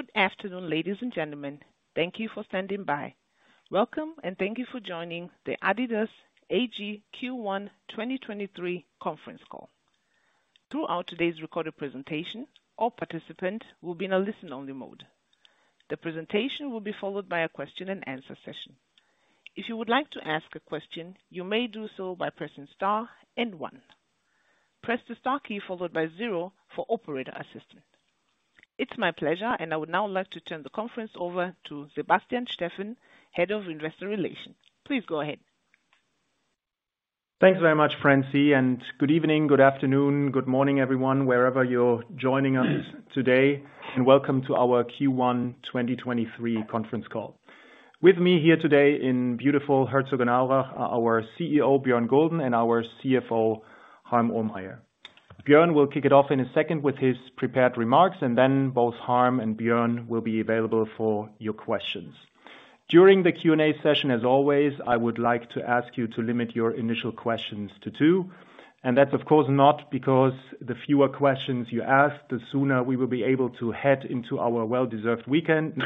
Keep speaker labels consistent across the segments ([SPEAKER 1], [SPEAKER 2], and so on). [SPEAKER 1] Good afternoon, ladies and gentlemen. Thank you for standing by. Welcome. Thank you for joining the adidas AG Q1 2023 Conference Call. Throughout today's recorded presentation, all participants will be in a listen-only mode. The presentation will be followed by a question-and-answer session. If you would like to ask a question, you may do so by pressing star and one. Press the star key followed by zero for operator assistance. It's my pleasure, and I would now like to turn the conference over to Sebastian Steffen, Head of Investor Relations. Please go ahead.
[SPEAKER 2] Thanks very much, Francie, good evening, good afternoon, good morning, everyone, wherever you're joining us today, and welcome to our Q1 2023 Conference Call. With me here today in beautiful Herzogenaurach are our CEO, Bjørn Gulden, and our CFO, Harm Ohlmeyer. Bjørn will kick it off in a second with his prepared remarks, and then both Harm and Bjørn will be available for your questions. During the Q&A session, as always, I would like to ask you to limit your initial questions to two. That's of course not because the fewer questions you ask, the sooner we will be able to head into our well-deserved weekend.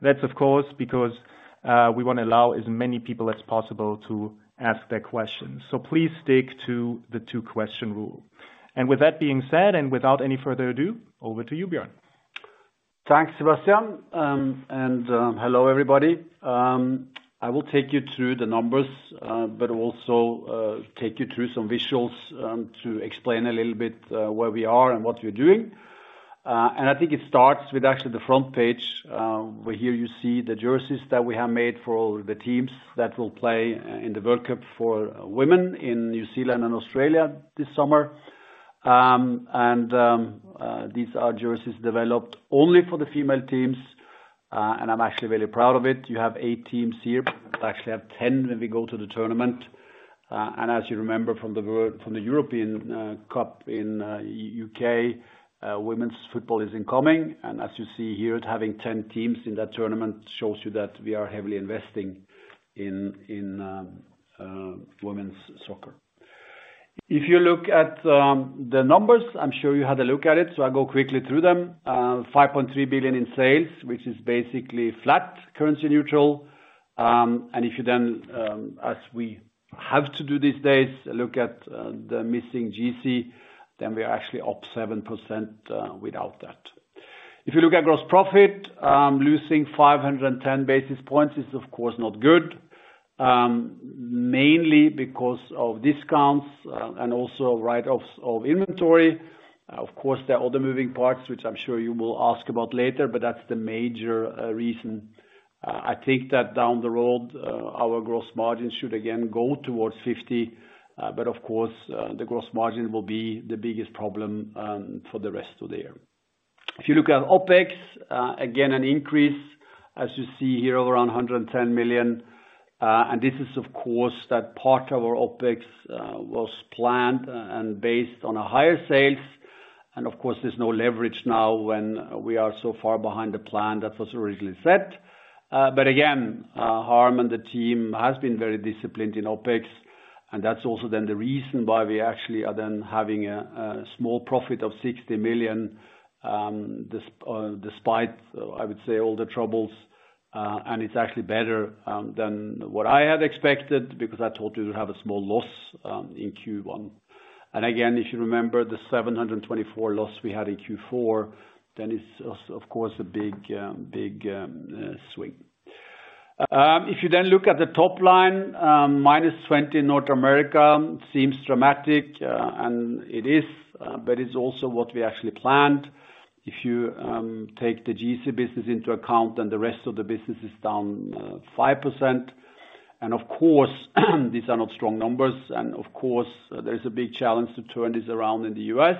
[SPEAKER 2] That's of course because we wanna allow as many people as possible to ask their questions. Please stick to the two-question rule. With that being said, and without any further ado, over to you, Bjørn.
[SPEAKER 3] Thanks, Sebastian. Hello, everybody. I will take you through the numbers, also take you through some visuals to explain a little bit where we are and what we're doing. I think it starts with actually the front page where here you see the jerseys that we have made for the teams that will play in the World Cup for women in New Zealand and Australia this summer. These are jerseys developed only for the female teams, and I'm actually very proud of it. You have eight teams here, but we actually have 10 when we go to the tournament. As you remember from the European Cup in U.K., women's football is incoming. As you see here, having 10 teams in that tournament shows you that we are heavily investing in women's soccer. If you look at the numbers, I'm sure you had a look at it, so I'll go quickly through them. 5.3 billion in sales, which is basically flat, currency neutral. If you then, as we have to do these days, look at the missing Yeezy, then we're actually up 7% without that. If you look at gross profit, losing 510 basis points is of course not good, mainly because of discounts, and also write-offs of inventory. Of course, there are other moving parts, which I'm sure you will ask about later, but that's the major reason. I take that down the road, our gross margin should again go towards 50%, but of course, the gross margin will be the biggest problem for the rest of the year. If you look at OpEx, again, an increase, as you see here, of around 110 million. This is of course that part of our OpEx was planned and based on a higher sales. Of course, there's no leverage now when we are so far behind the plan that was originally set. Again, Harm and the team has been very disciplined in OpEx, and that's also then the reason why we actually are then having a small profit of 60 million despite, I would say, all the troubles. It's actually better than what I had expected because I told you to have a small loss in Q1. Again, if you remember the 724 loss we had in Q4, then it's of course, a big swing. If you then look at the top line, -20% in North America seems dramatic, and it is, but it's also what we actually planned. If you take the Yeezy business into account, then the rest of the business is down 5%. Of course, these are not strong numbers. Of course, there is a big challenge to turn this around in the U.S.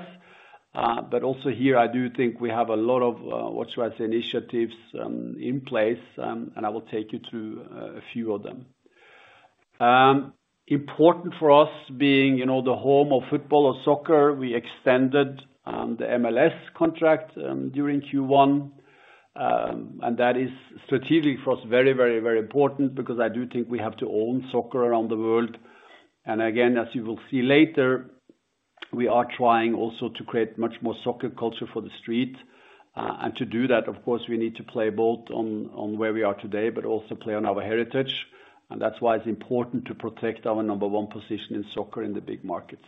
[SPEAKER 3] Also here, I do think we have a lot of what should I say, initiatives in place, I will take you through a few of them. Important for us being, you know, the home of football or soccer, we extended the MLS contract during Q1. That is strategic for us, very important because I do think we have to own soccer around the world. Again, as you will see later, we are trying also to create much more soccer culture for the street. To do that, of course, we need to play both on where we are today, but also play on our heritage. That's why it's important to protect our number one position in soccer in the big markets.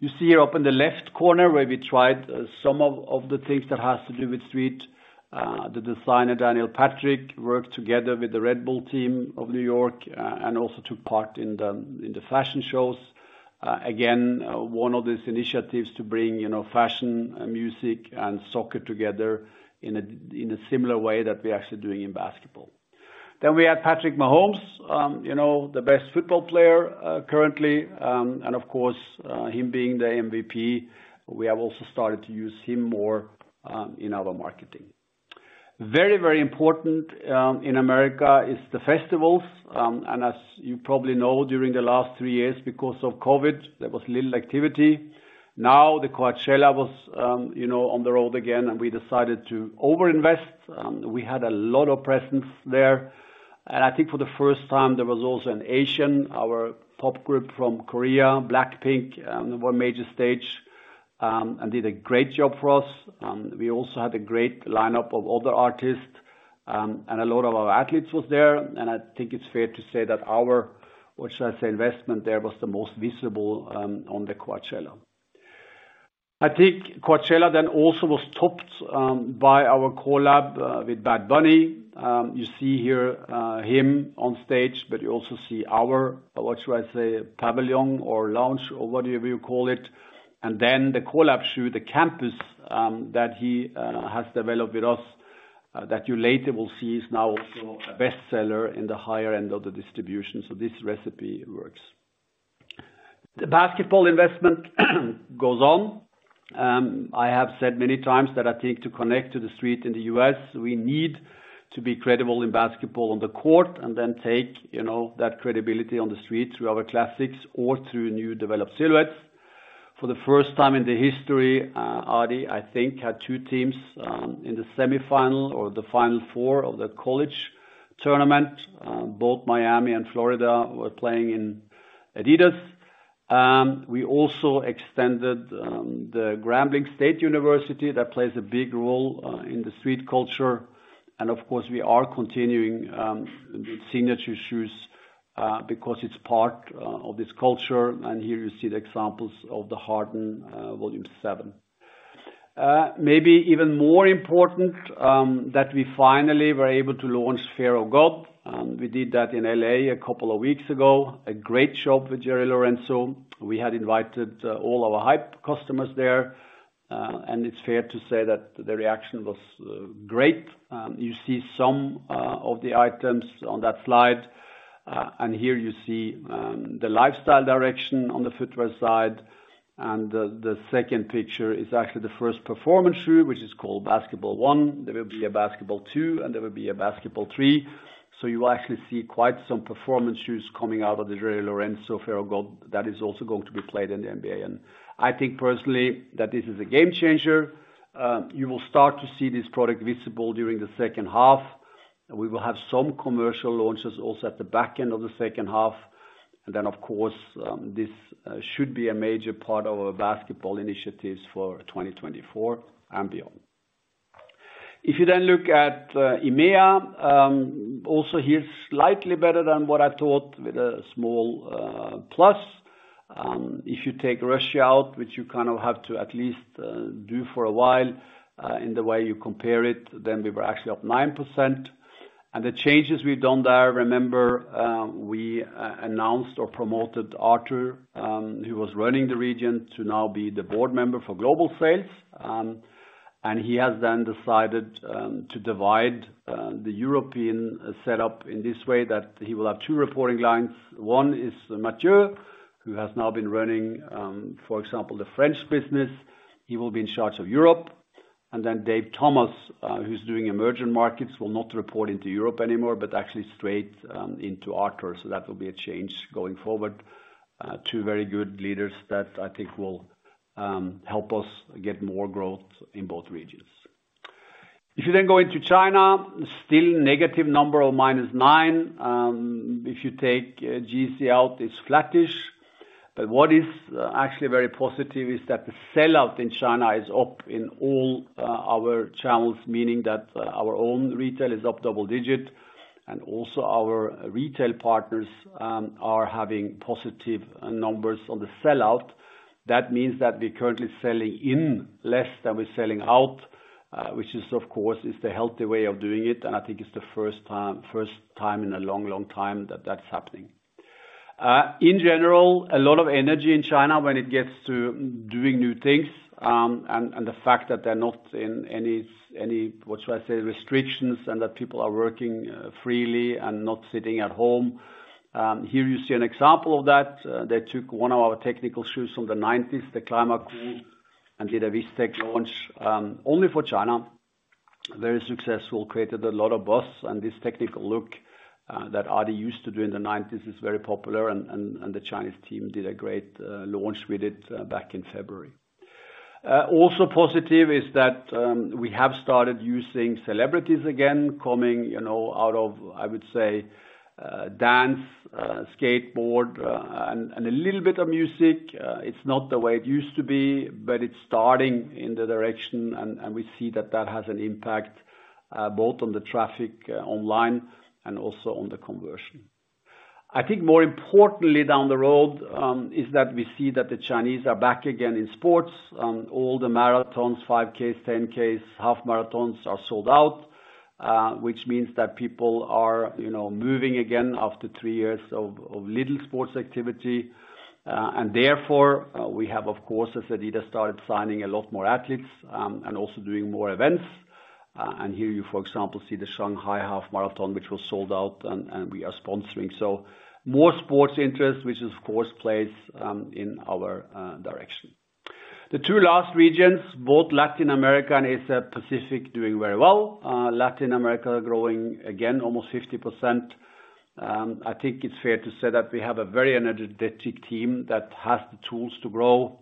[SPEAKER 3] You see here up in the left corner where we tried some of the things that has to do with street. The designer Daniel Patrick worked together with the Red Bull team of New York and also took part in the fashion shows. Again, one of these initiatives to bring, you know, fashion and music and soccer together in a similar way that we're actually doing in basketball. We had Patrick Mahomes, you know, the best football player currently. Of course, him being the MVP, we have also started to use him more in our marketing. Very important in America is the festivals. As you probably know, during the last three years, because of COVID, there was little activity. The Coachella was, you know, on the road again and we decided to overinvest. We had a lot of presence there. I think for the first time, there was also an Asian, our pop group from Korea, BLACKPINK, on one major stage and did a great job for us. We also had a great lineup of other artists. A lot of our athletes was there, and I think it's fair to say that our, what should I say, investment there was the most visible on the Coachella. I think Coachella then also was topped by our collab with Bad Bunny. You see here him on stage, but you also see our, or what should I say, pavilion or lounge or whatever you call it. The collab shoe, the Campus, that he has developed with us, that you later will see is now also a best seller in the higher end of the distribution. This recipe works. The basketball investment goes on. I have said many times that I think to connect to the street in the U.S., we need to be credible in basketball on the court and then take, you know, that credibility on the street through our classics or through new developed silhouettes. For the first time in the history, Adi, I think, had 2 teams in the semifinal or the final 4 of the college tournament. Miami and Florida were playing in adidas. We extended the Grambling State University that plays a big role in the street culture. Of course, we are continuing with signature shoes because it's part of this culture, and here you see the examples of the Harden Volume 7. Maybe even more important that we finally were able to launch Fear of God, and we did that in L.A. a couple of weeks ago. A great job with Jerry Lorenzo. We had invited all our hype customers there, and it's fair to say that the reaction was great. You see some of the items on that slide, and here you see the lifestyle direction on the footwear side. The second picture is actually the first performance shoe, which is called Basketball 1. There will be a Basketball 2, and there will be a Basketball 3. You will actually see quite some performance shoes coming out of the Jerry Lorenzo Fear of God that is also going to be played in the NBA. I think personally that this is a game changer. You will start to see this product visible during the second half. We will have some commercial launches also at the back end of the second half. Of course, this should be a major part of our basketball initiatives for 2024 and beyond. If you look at EMEA, also here slightly better than what I thought with a small plus. If you take Russia out, which you kind of have to at least do for a while, in the way you compare it, then we were actually up 9%. The changes we've done there, remember, we announced or promoted Arthur, who was running the region, to now be the board member for global sales. He has then decided to divide the European setup in this way that he will have two reporting lines. One is Mathieu, who has now been running, for example, the French business. He will be in charge of Europe. Dave Thomas, who's doing emerging markets, will not report into Europe anymore but actually straight into Arthur. That will be a change going forward. Two very good leaders that I think will help us get more growth in both regions. If you then go into China, still negative number of -9%. If you take Yeezy out, it's flattish. What is actually very positive is that the sell-out in China is up in all our channels, meaning that our own retail is up double-digit and also our retail partners are having positive numbers on the sell-out. That means that we're currently selling in less than we're selling out, which is of course the healthy way of doing it, and I think it's the first time in a long, long time that that's happening. In general, a lot of energy in China when it gets to doing new things, and the fact that they're not in any, what should I say, restrictions and that people are working freely and not sitting at home. Here you see an example of that. They took one of our technical shoes from the nineties, the Climacool, and did a Vistech launch, only for China. Very successful, created a lot of buzz, and this technical look that Adi used to do in the nineties is very popular and the Chinese team did a great launch with it back in February. Also positive is that we have started using celebrities again, coming, you know, out of, I would say, dance, skateboard, and a little bit of music. It's not the way it used to be, but it's starting in the direction and we see that that has an impact both on the traffic online and also on the conversion. I think more importantly down the road is that we see that the Chinese are back again in sports. All the marathons, 5 Ks, 10 Ks, half marathons are sold out, which means that people are, you know, moving again after 3 years of little sports activity. Therefore, we have, of course, as adidas started signing a lot more athletes, and also doing more events. Here you, for example, see the Shanghai Half Marathon, which was sold out and we are sponsoring. More sports interest, which of course plays in our direction. The two last regions, both Latin America and Asia-Pacific doing very well. Latin America growing again almost 50%. I think it's fair to say that we have a very energetic team that has the tools to grow.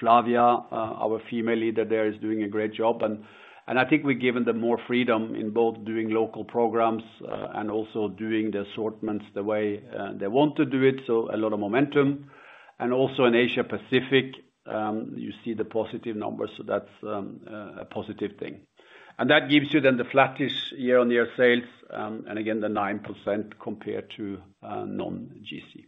[SPEAKER 3] Flavia, our female leader there, is doing a great job. I think we've given them more freedom in both doing local programs, and also doing the assortments the way they want to do it, so a lot of momentum. Also in Asia-Pacific, you see the positive numbers, so that's a positive thing. That gives you then the flattish year-over-year sales, and again, the 9% compared to non-Yeezy. If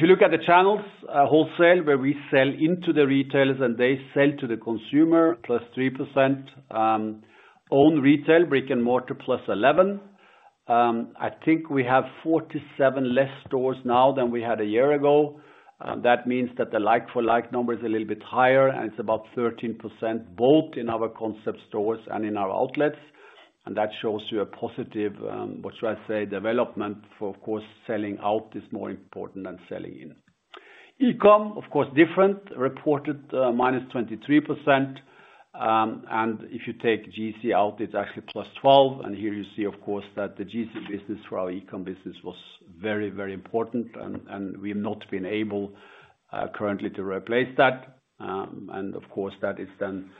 [SPEAKER 3] you look at the channels, wholesale, where we sell into the retailers and they sell to the consumer, plus 3%. Own retail, brick-and-mortar, plus 11%. I think we have 47 less stores now than we had a year ago. That means that the like for like number is a little bit higher, and it's about 13% both in our concept stores and in our outlets. That shows you a positive, what should I say, development for, of course, selling out is more important than selling in. E-com, of course, different. Reported, -23%. If you take Yeezy out, it's actually +12. Here you see, of course, that the Yeezy business for our e-com business was very, very important and we've not been able currently to replace that. Of course, that is then,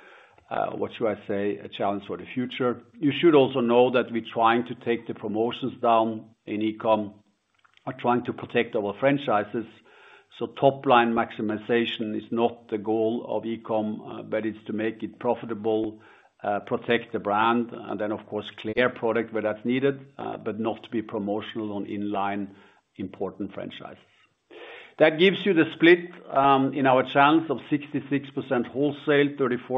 [SPEAKER 3] what should I say, a challenge for the future. You should also know that we're trying to take the promotions down in e-com, are trying to protect our franchises. Top line maximization is not the goal of e-com, but it's to make it profitable, protect the brand, and then of course clear product where that's needed, but not to be promotional on in-line important franchises. That gives you the split in our channels of 66% wholesale, 34%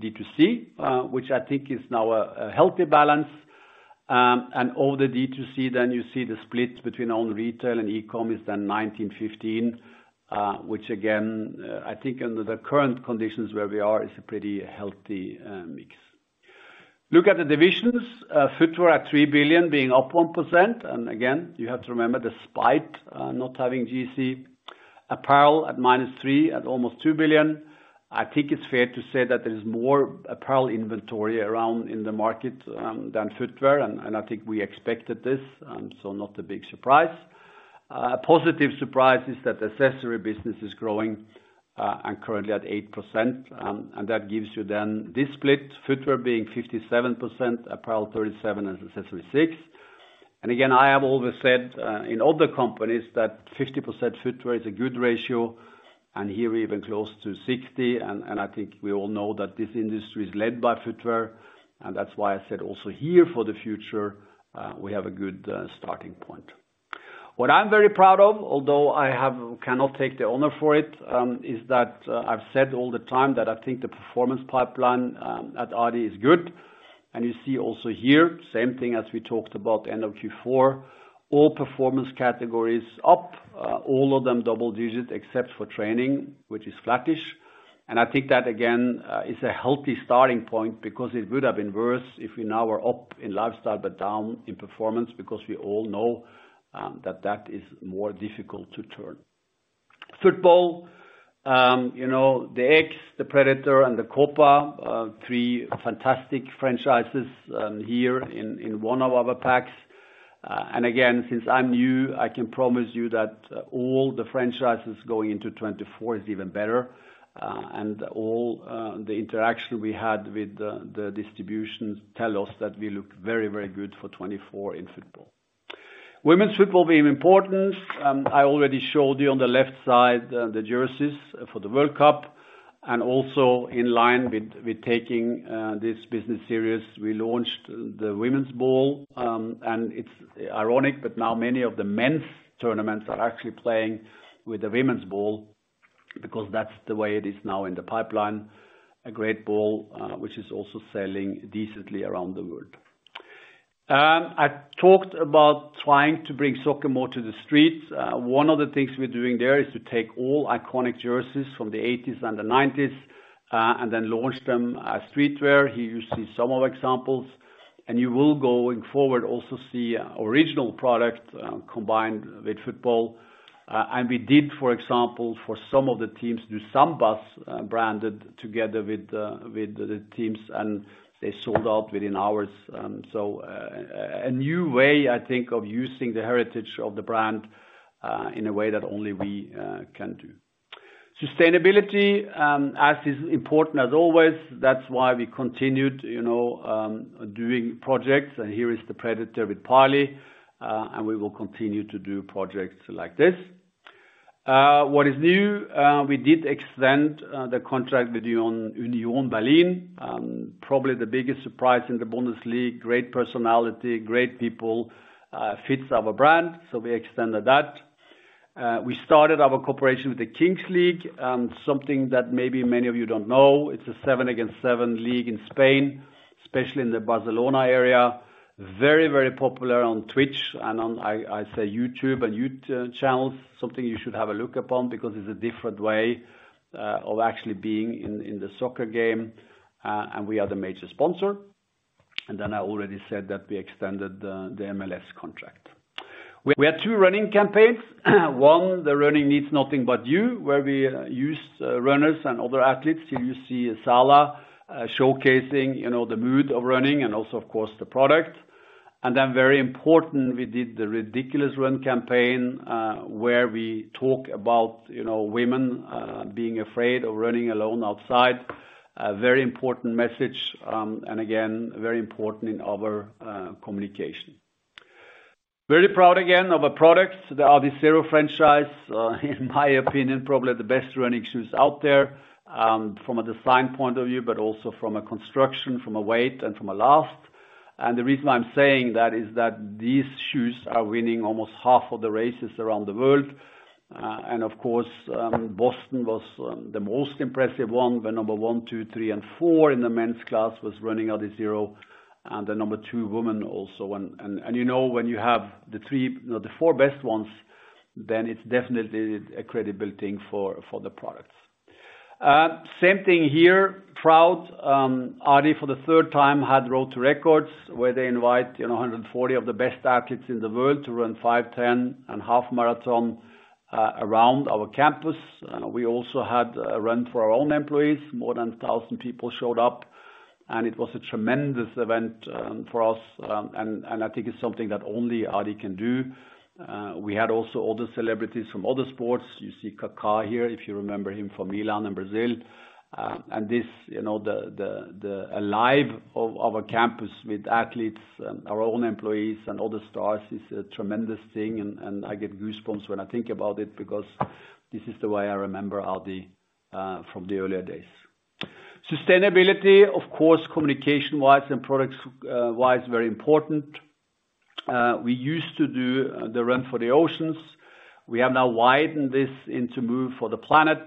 [SPEAKER 3] B2C, which I think is now a healthy balance. All the B2C then you see the split between own retail and e-com is then 19/15, which again, I think under the current conditions where we are is a pretty healthy mix. Look at the divisions. Footwear at 3 billion being up 1%. Again, you have to remember despite not having Yeezy. Apparel at -3% at almost 2 billion. I think it's fair to say that there's more apparel inventory around in the market than footwear, and I think we expected this, so not a big surprise. A positive surprise is that the accessory business is growing, and currently at 8%, and that gives you then this split, footwear being 57%, apparel 37%, and accessories 6%. Again, I have always said, in other companies that 50% footwear is a good ratio, and here even close to 60, and I think we all know that this industry is led by footwear, and that's why I said also here for the future, we have a good starting point. What I'm very proud of, although I cannot take the honor for it, is that I've said all the time that I think the performance pipeline at adi is good. You see also here, same thing as we talked about end of Q4, all performance categories up, all of them double digits except for training, which is flattish. I think that again, is a healthy starting point because it would have been worse if we now are up in lifestyle but down in performance because we all know that that is more difficult to turn. Football, you know, the X, the Predator, and the Copa, three fantastic franchises here in one of our packs. Again, since I'm new, I can promise you that all the franchises going into 2024 is even better, and all the interaction we had with the distributions tell us that we look very, very good for 2024 in football. Women's football being important, I already showed you on the left side, the jerseys for the World Cup, also in line with taking this business serious, we launched the women's ball. It's ironic, but now many of the men's tournaments are actually playing with the women's ball because that's the way it is now in the pipeline. A great ball, which is also selling decently around the world. I talked about trying to bring soccer more to the streets. One of the things we're doing there is to take all iconic jerseys from the 1980s and the 1990s, then launch them as streetwear. Here you see some of examples, and you will going forward also see original product, combined with football. We did, for example, for some of the teams do Sambas branded together with the teams, and they sold out within hours. A new way I think of using the heritage of the brand in a way that only we can do. Sustainability, as is important as always. That's why we continued, you know, doing projects. Here is the Predator with Parley, we will continue to do projects like this. What is new, we did extend the contract with Union Berlin. Probably the biggest surprise in the Bundesliga, great personality, great people, fits our brand, we extended that. We started our cooperation with the Kings League, something that maybe many of you don't know. It's a seven against seven league in Spain, especially in the Barcelona area. Very, very popular on Twitch and on, I say YouTube channels. Something you should have a look upon because it's a different way of actually being in the soccer game, and we are the major sponsor. I already said that we extended the MLS contract. We have two running campaigns. One, the "Running needs nothing but you," where we use runners and other athletes. Here you see Sala showcasing, you know, the mood of running and also, of course, the product. Very important, we did The Ridiculous Run campaign, where we talk about, you know, women being afraid of running alone outside. A very important message, again, very important in our communication. Very proud again of our products, the Adizero franchise, in my opinion, probably the best running shoes out there, from a design point of view, but also from a construction, from a weight, and from a last. The reason I'm saying that is that these shoes are winning almost half of the races around the world. Of course, Boston was the most impressive one. The number 1, 2, 3, and 4 in the men's class was running Adizero, and the number 2 woman also. You know, when you have the 3, no the 4 best ones, then it's definitely a credibility for the products. Same thing here, proud, Adi for the third time had Road to Records, where they invite, you know, 140 of the best athletes in the world to run 5, 10, and half-marathon around our campus. We also had a run for our own employees. More than 1,000 people showed up, and it was a tremendous event for us. I think it's something that only Adi can do. We had also all the celebrities from other sports. You see Kaka here, if you remember him from Milan in Brazil. This, you know, the alive of our campus with athletes and our own employees and all the stars is a tremendous thing. I get goosebumps when I think about it because this is the way I remember Adi from the earlier days. Sustainability, of course, communication-wise and products, wise, very important. We used to do the Run for the Oceans. We have now widened this into Move for the Planet.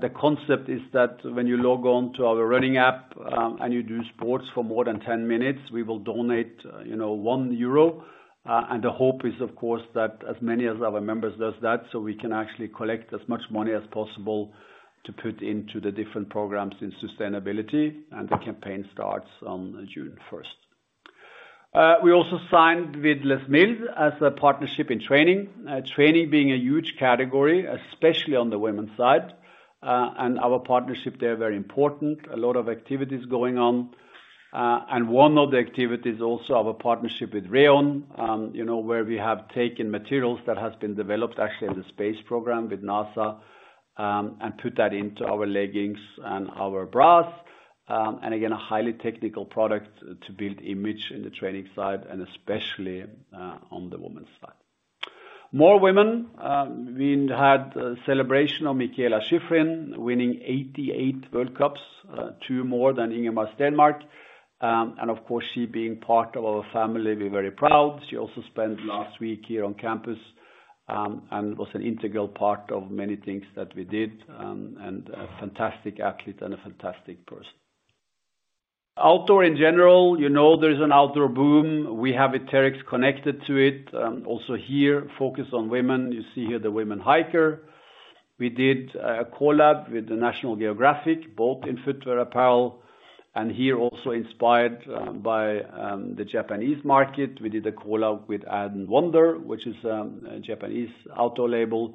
[SPEAKER 3] The concept is that when you log on to our running app, and you do sports for more than 10 minutes, we will donate, you know, 1 euro. The hope is, of course, that as many of our members does that, so we can actually collect as much money as possible to put into the different programs in sustainability, and the campaign starts on June 1st. We also signed with Les Mills as a partnership in training. Training being a huge category, especially on the women's side. Our partnership, they are very important. A lot of activities going on. One of the activities also, our partnership with RHEON, you know, where we have taken materials that has been developed actually in the space program with NASA, and put that into our leggings and our bras. Again, a highly technical product to build image in the training side and especially on the women's side. More women, we had a celebration of Mikaela Shiffrin winning 88 World Cups, two more than Ingemar Stenmark. Of course, she being part of our family, we're very proud. She also spent last week here on campus, and was an integral part of many things that we did, and a fantastic athlete and a fantastic person. Outdoor in general, you know, there's an outdoor boom. We have a Terrex connected to it. Also here, focus on women. You see here the women hiker. We did a collab with the National Geographic, both in footwear apparel. Here also inspired by the Japanese market. We did a collab with and wander, which is a Japanese outdoor label.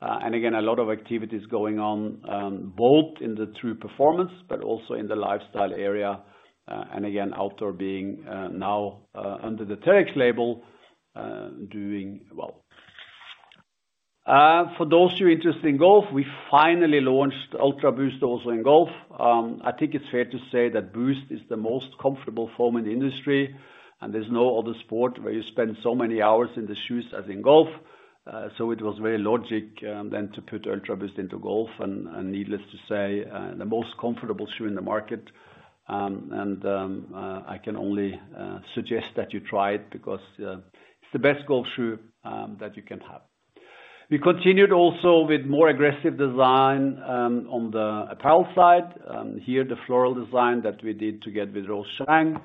[SPEAKER 3] Again, a lot of activities going on both in the true performance but also in the lifestyle area. Again, outdoor being now under the Terrex label, doing well. For those who are interested in golf, we finally launched Ultraboost also in golf. I think it's fair to say that Boost is the most comfortable foam in the industry, and there's no other sport where you spend so many hours in the shoes as in golf. It was very logical then to put Ultraboost into golf, and needless to say, the most comfortable shoe in the market. I can only suggest that you try it because it's the best golf shoe that you can have. We continued also with more aggressive design on the apparel side. Here, the floral design that we did together with Rose Zhang.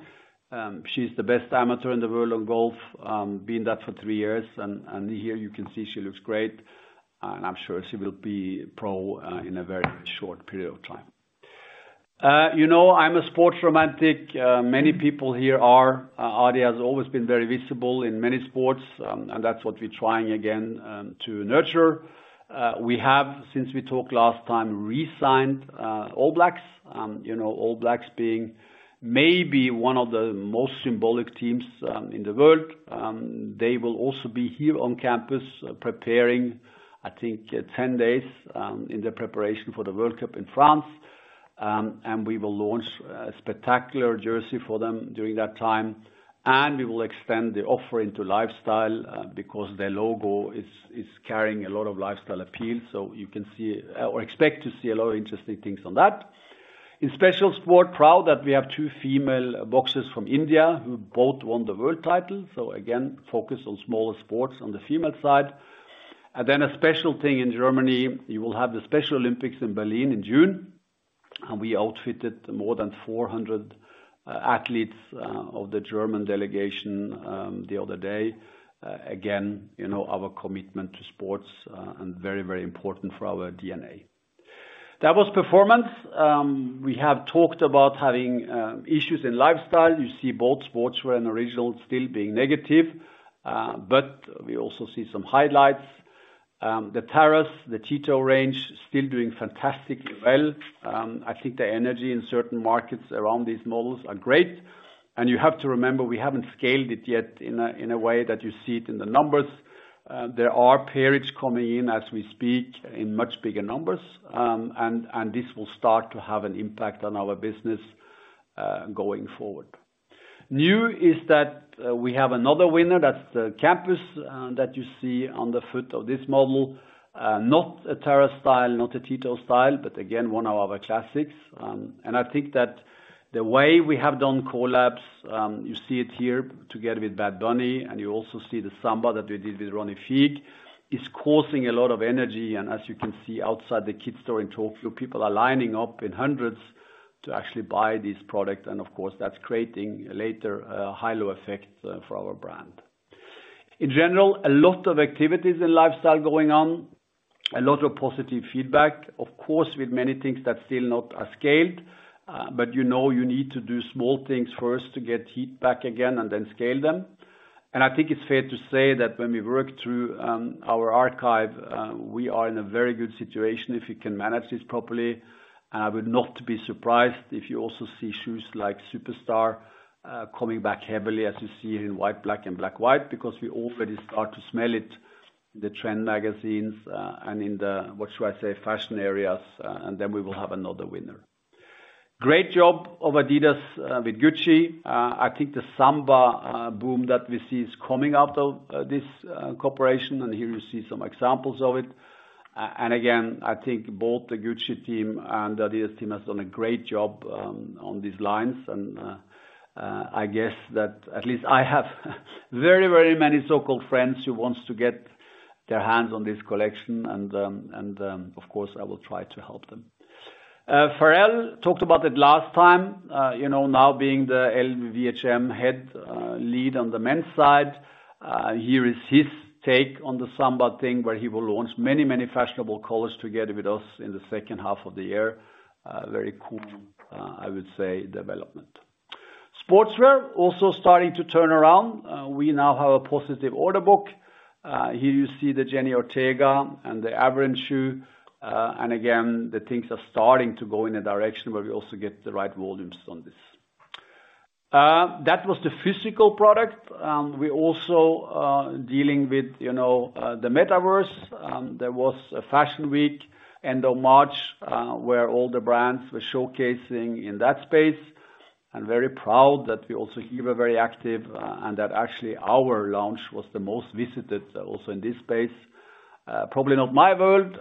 [SPEAKER 3] She's the best amateur in the world on golf, been that for 3 years. Here you can see she looks great. I'm sure she will be pro in a very short period of time. You know, I'm a sports romantic. Many people here are. Adi has always been very visible in many sports, and that's what we're trying again to nurture. We have, since we talked last time, resigned All Blacks. You know, All Blacks being maybe one of the most symbolic teams in the world. They will also be here on campus preparing, I think, 10 days in the preparation for the World Cup in France. We will launch a spectacular jersey for them during that time. We will extend the offer into lifestyle because their logo is carrying a lot of lifestyle appeal. You can see or expect to see a lot of interesting things on that. In special sport, proud that we have two female boxers from India who both won the world title. Again, focus on smaller sports on the female side. A special thing in Germany, you will have the Special Olympics in Berlin in June. We outfitted more than 400 athletes of the German delegation the other day. You know, our commitment to sports and very, very important for our DNA. That was performance. We have talked about having issues in lifestyle. You see both sportswear and Originals still being negative. We also see some highlights. The Terrace, the Tiro range, still doing fantastically well. I think the energy in certain markets around these models are great. You have to remember, we haven't scaled it yet in a way that you see it in the numbers. There are pairage coming in as we speak in much bigger numbers, and this will start to have an impact on our business going forward. New is that we have another winner. That's the Campus that you see on the foot of this model. Not a Terrex style, not a Tiro style, but again, one of our classics. I think that the way we have done collabs, you see it here together with Bad Bunny, and you also see the Samba that we did with Ronnie Fieg, is causing a lot of energy. As you can see outside the kids store in Tokyo, people are lining up in hundreds to actually buy this product. Of course, that's creating later a halo effect for our brand. In general, a lot of activities in Lifestyle going on, a lot of positive feedback. Of course, with many things that still not are scaled, but you know you need to do small things first to get heat back again and then scale them. I think it's fair to say that when we work through our archive, we are in a very good situation if we can manage this properly. I would not be surprised if you also see shoes like Superstar coming back heavily as you see in white, black and black, white, because we already start to smell it in the trend magazines and in the, what should I say, fashion areas, and then we will have another winner. Great job of adidas with Gucci. I think the Samba boom that we see is coming out of this cooperation, and here you see some examples of it. Again, I think both the Gucci team and adidas team has done a great job on these lines. I guess that at least I have very, very many so-called friends who wants to get their hands on this collection, of course, I will try to help them. Pharrell talked about it last time, you know, now being the LVMH Head, Lead on the men's side. Here is his take on the Samba thing, where he will launch many, many fashionable colors together with us in the second half of the year. Very cool, I would say, development. Sportswear also starting to turn around. We now have a positive order book. Here you see the Jenna Ortega and the Avryn shoe. And again, the things are starting to go in a direction where we also get the right volumes on this. That was the physical product. We're also dealing with, you know, the metaverse. There was a fashion week end of March, where all the brands were showcasing in that space. I'm very proud that we also here were very active, and that actually our launch was the most visited also in this space. Probably not my world,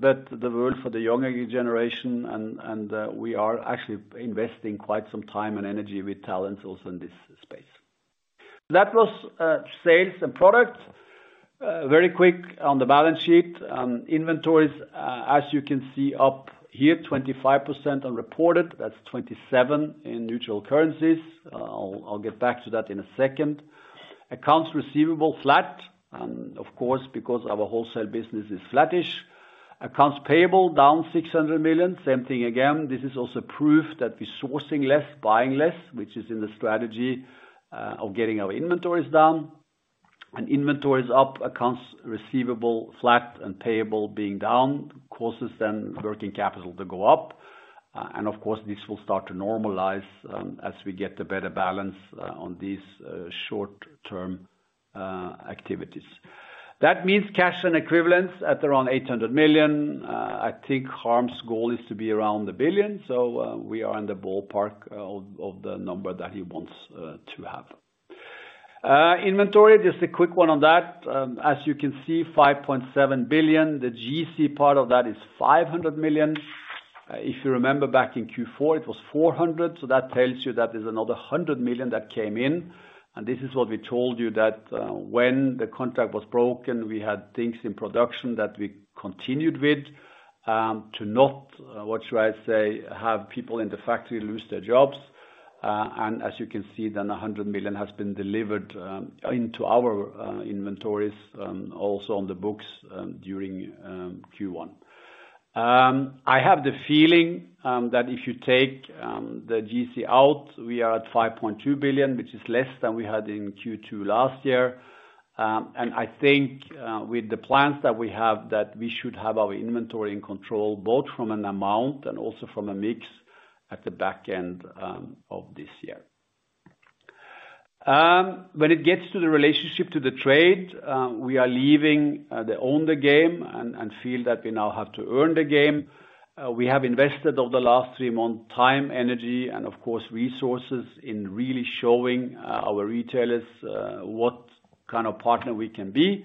[SPEAKER 3] but the world for the younger generation, and we are actually investing quite some time and energy with talents also in this space. That was sales and product. Very quick on the balance sheet. Inventories, as you can see up here, 25% unreported. That's 27 in neutral currencies. I'll get back to that in a second. Accounts receivable, flat, and of course, because our wholesale business is flattish. Accounts payable, down 600 million. Same thing again. This is also proof that we're sourcing less, buying less, which is in the strategy of getting our inventories down. Inventories up, accounts receivable flat, and payable being down causes then working capital to go up. Of course, this will start to normalize as we get the better balance on these short-term activities. That means cash and equivalents at around 800 million. I think Harm Ohlmeyer's goal is to be around 1 billion. We are in the ballpark of the number that he wants to have. Inventory, just a quick one on that. As you can see, 5.7 billion. The Yeezy part of that is 500 million. If you remember back in Q4, it was 400 million, so that tells you that there's another 100 million that came in. This is what we told you that when the contract was broken, we had things in production that we continued with to not, what should I say, have people in the factory lose their jobs. As you can see, then 100 million has been delivered into our inventories also on the books during Q1. I have the feeling that if you take the Yeezy out, we are at 5.2 billion, which is less than we had in Q2 last year. I think with the plans that we have, that we should have our inventory in control, both from an amount and also from a mix at the back end of this year. When it gets to the relationship to the trade, we are leaving the Own the Game and feel that we now have to earn the game. We have invested over the last three months, time, energy, and of course, resources in really showing our retailers what kind of partner we can be.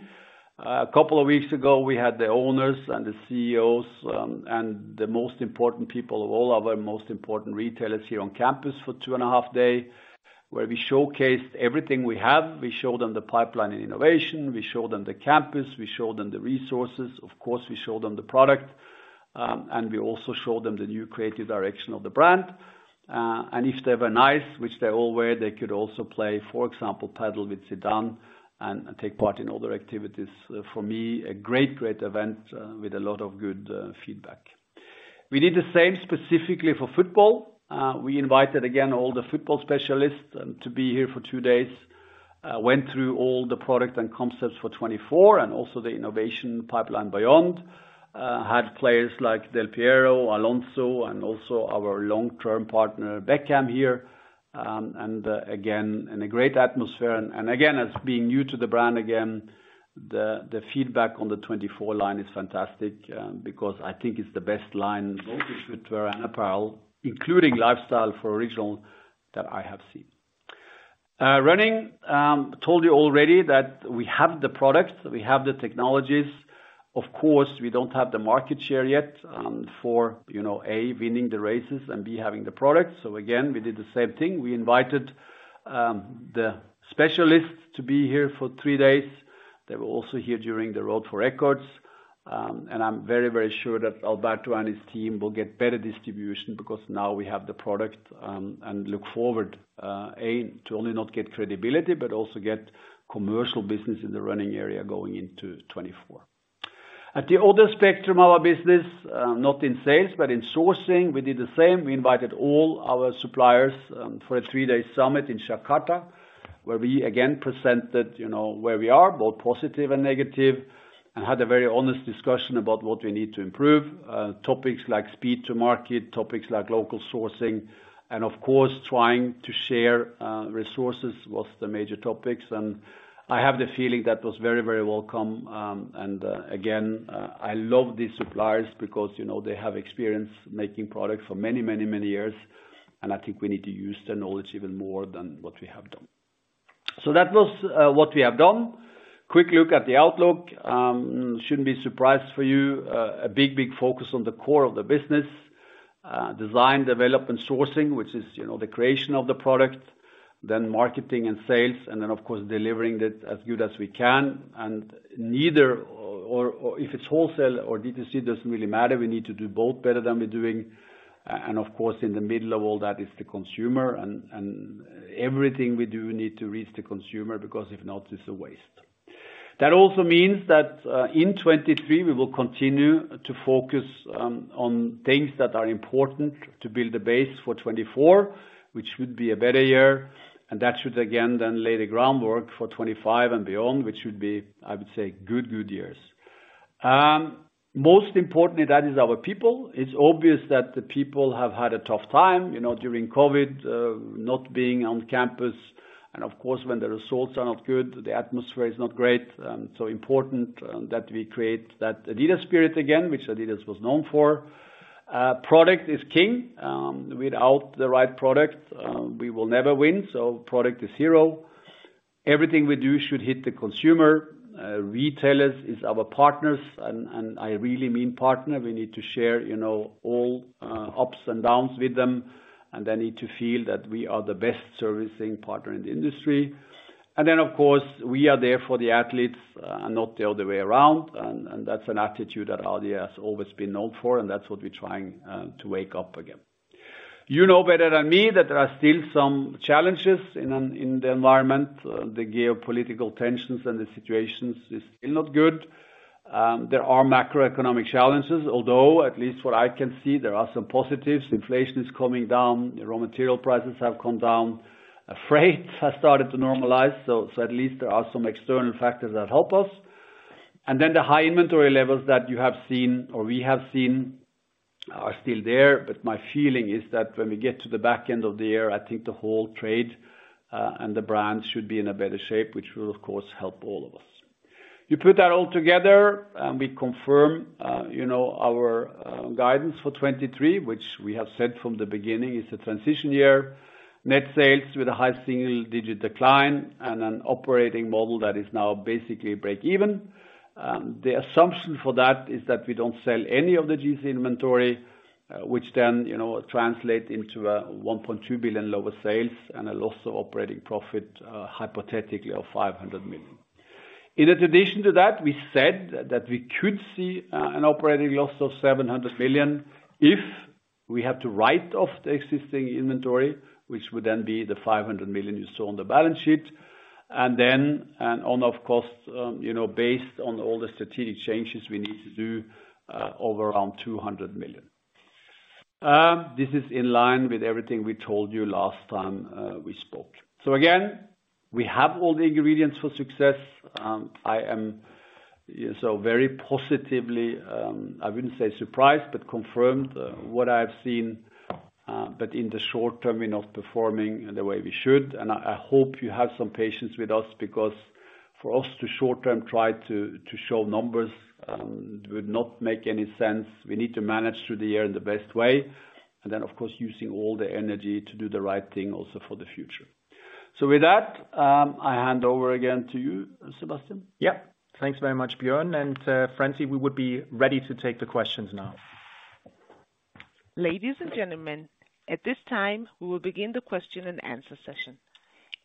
[SPEAKER 3] A couple of weeks ago, we had the owners and the CEOs, and the most important people of all our most important retailers here on campus for two and a half day, where we showcased everything we have. We showed them the pipeline and innovation. We showed them the campus. We showed them the resources. Of course, we showed them the product, and we also showed them the new creative direction of the brand. If they were nice, which they all were, they could also play, for example, padel with Zidane and take part in other activities. For me, a great event, with a lot of good feedback. We did the same specifically for football. We invited again all the football specialists to be here for 2 days. Went through all the product and concepts for 2024 and also the innovation pipeline beyond. Had players like Del Piero, Alonso, and also our long-term partner Beckham here. Again, in a great atmosphere. Again, as being new to the brand, the feedback on the 2024 line is fantastic, because I think it's the best line both in footwear and apparel, including lifestyle for Originals that I have seen. Running, told you already that we have the products, we have the technologies. Of course, we don't have the market share yet, for, you know, A, winning the races and B, having the products. Again, we did the same thing. We invited the specialists to be here for three days. They were also here during the Road for Records. I'm very, very sure that Alberto and his team will get better distribution because now we have the product, and look forward, A, to only not get credibility but also get commercial business in the running area going into 2024. At the other spectrum of our business, not in sales but in sourcing, we did the same. We invited all our suppliers for a three-day summit in Jakarta, where we again presented, you know, where we are, both positive and negative, and had a very honest discussion about what we need to improve. Topics like speed to market, topics like local sourcing, and of course trying to share resources was the major topics. I have the feeling that was very, very welcome. Again, I love these suppliers because, you know, they have experience making products for many, many, many years, and I think we need to use their knowledge even more than what we have done. That was what we have done. Quick look at the outlook. Shouldn't be a surprise for you. A big focus on the core of the business, design, development, sourcing, which is, you know, the creation of the product, then marketing and sales, and then of course, delivering it as good as we can. Neither or if it's wholesale or B2C doesn't really matter. We need to do both better than we're doing. Of course, in the middle of all that is the consumer and everything we do, we need to reach the consumer because if not, it's a waste. That also means that in 2023, we will continue to focus on things that are important to build a base for 2024, which should be a better year, that should again then lay the groundwork for 2025 and beyond, which should be, I would say, good years. Most importantly, that is our people. It's obvious that the people have had a tough time, you know, during COVID, not being on campus. Of course, when the results are not good, the atmosphere is not great. Important that we create that adidas spirit again, which adidas was known for. Product is king. Without the right product, we will never win. Product is hero. Everything we do should hit the consumer. Retailers is our partners and I really mean partner. We need to share, you know, all ups and downs with them, and they need to feel that we are the best servicing partner in the industry. Of course, we are there for the athletes, and not the other way around. That's an attitude that adidas has always been known for, and that's what we're trying to wake up again. You know better than me that there are still some challenges in the environment. The geopolitical tensions and the situations is still not good. There are macroeconomic challenges, although at least what I can see, there are some positives. Inflation is coming down, raw material prices have come down, freight has started to normalize. At least there are some external factors that help us. The high inventory levels that you have seen or we have seen are still there. My feeling is that when we get to the back end of the year, I think the whole trade and the brand should be in a better shape, which will of course help all of us. You put that all together, we confirm, you know, our guidance for 2023, which we have said from the beginning is a transition year. Net sales with a high single-digit decline and an operating model that is now basically break even. The assumption for that is that we don't sell any of the Yeezy inventory, which then, you know, translate into 1.2 billion lower sales and a loss of operating profit, hypothetically of 500 million. In addition to that, we said that we could see an operating loss of 700 million if we have to write off the existing inventory, which would then be the 500 million you saw on the balance sheet. Of course, you know, based on all the strategic changes we need to do, over around 200 million. This is in line with everything we told you last time we spoke. Again, we have all the ingredients for success. I am so very positively, I wouldn't say surprised but confirmed what I've seen. In the short term, we're not performing the way we should. I hope you have some patience with us because for us to short-term try to show numbers would not make any sense. We need to manage through the year in the best way. Of course, using all the energy to do the right thing also for the future. With that, I hand over again to you, Sebastian.
[SPEAKER 2] Yep. Thanks very much, Bjørn. Francie, we would be ready to take the questions now.
[SPEAKER 1] Ladies and gentlemen, at this time, we will begin the question and answer session.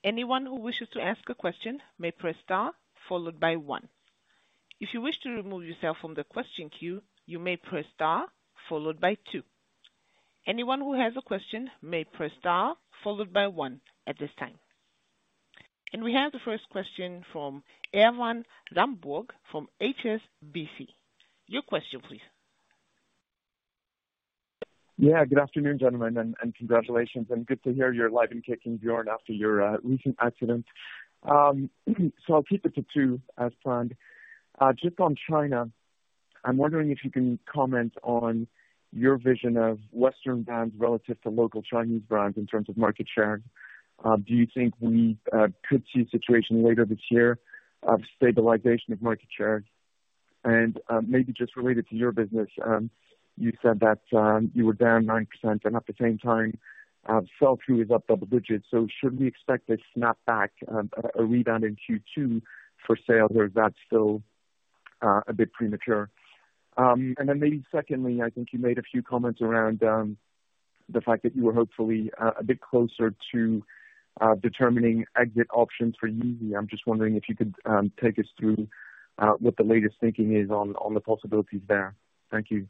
[SPEAKER 1] Anyone who wishes to ask a question may press star followed by one. If you wish to remove yourself from the question queue, you may press star followed by two. Anyone who has a question may press star followed by one at this time. We have the first question from Erwan Rambourg from HSBC. Your question please.
[SPEAKER 4] Good afternoon, gentlemen, and congratulations and good to hear you're alive and kicking, Bjørn, after your recent accident. I'll keep it to two as planned. Just on China. I'm wondering if you can comment on your vision of Western brands relative to local Chinese brands in terms of market share. Do you think we could see a situation later this year of stabilization of market share? Maybe just related to your business, you said that you were down 9% and at the same time, self-view is up double digits. Should we expect a snapback, a rebound in Q2 for sale, or is that still a bit premature? Then maybe secondly, I think you made a few comments around the fact that you were hopefully a bit closer to determining exit options for Yeezy. I'm just wondering if you could take us through what the latest thinking is on the possibilities there. Thank you.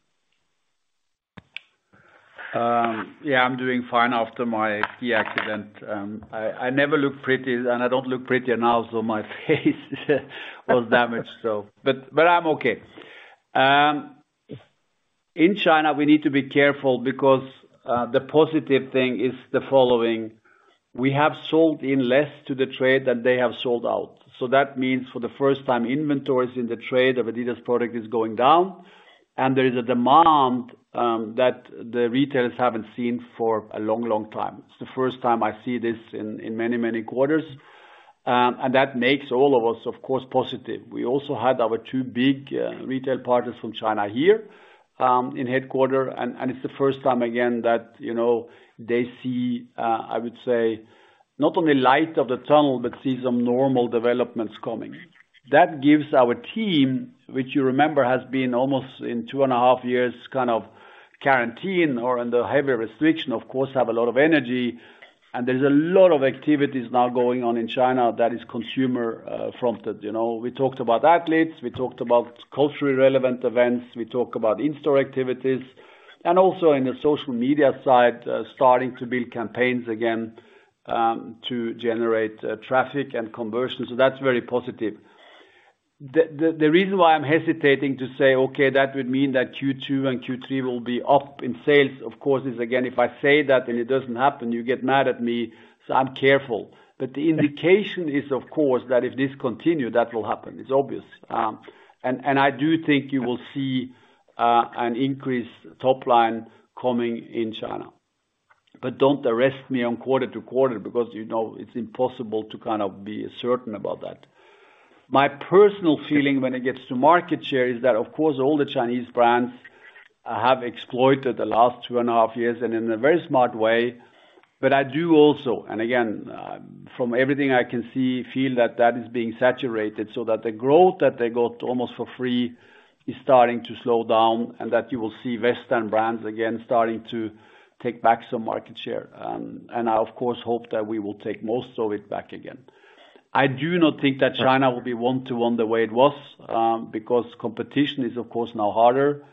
[SPEAKER 3] Yeah, I'm doing fine after my ski accident. I never looked pretty, and I don't look pretty now, so my face was damaged. I'm okay. In China, we need to be careful because the positive thing is the following: We have sold in less to the trade than they have sold out. That means for the first time, inventories in the trade of adidas product is going down, and there is a demand that the retailers haven't seen for a long, long time. It's the first time I see this in many quarters. That makes all of us, of course, positive. We also had our two big retail partners from China here in headquarter, and it's the first time again that, you know, they see, I would say, not only light of the tunnel, but see some normal developments coming. That gives our team, which you remember has been almost in two and a half years, kind of quarantined or under heavy restriction, of course, have a lot of energy. There's a lot of activities now going on in China that is consumer fronted. You know, we talked about athletes, we talked about culturally relevant events, we talk about in-store activities, and also in the social media side, starting to build campaigns again to generate traffic and conversions. That's very positive. The reason why I'm hesitating to say, okay, that would mean that Q2 and Q3 will be up in sales, of course, is again, if I say that and it doesn't happen, you get mad at me, so I'm careful. The indication is of course that if this continue, that will happen. It's obvious. And I do think you will see an increased top line coming in China. Don't arrest me on quarter to quarter because, you know, it's impossible to kind of be certain about that. My personal feeling when it gets to market share is that, of course, all the Chinese brands have exploited the last two and a half years, and in a very smart way. I do also, and again, from everything I can see, feel that that is being saturated, so that the growth that they got almost for free is starting to slow down, and that you will see Western brands again starting to take back some market share. I of course hope that we will take most of it back again. I do not think that China will be one to one the way it was, because competition is of course now harder,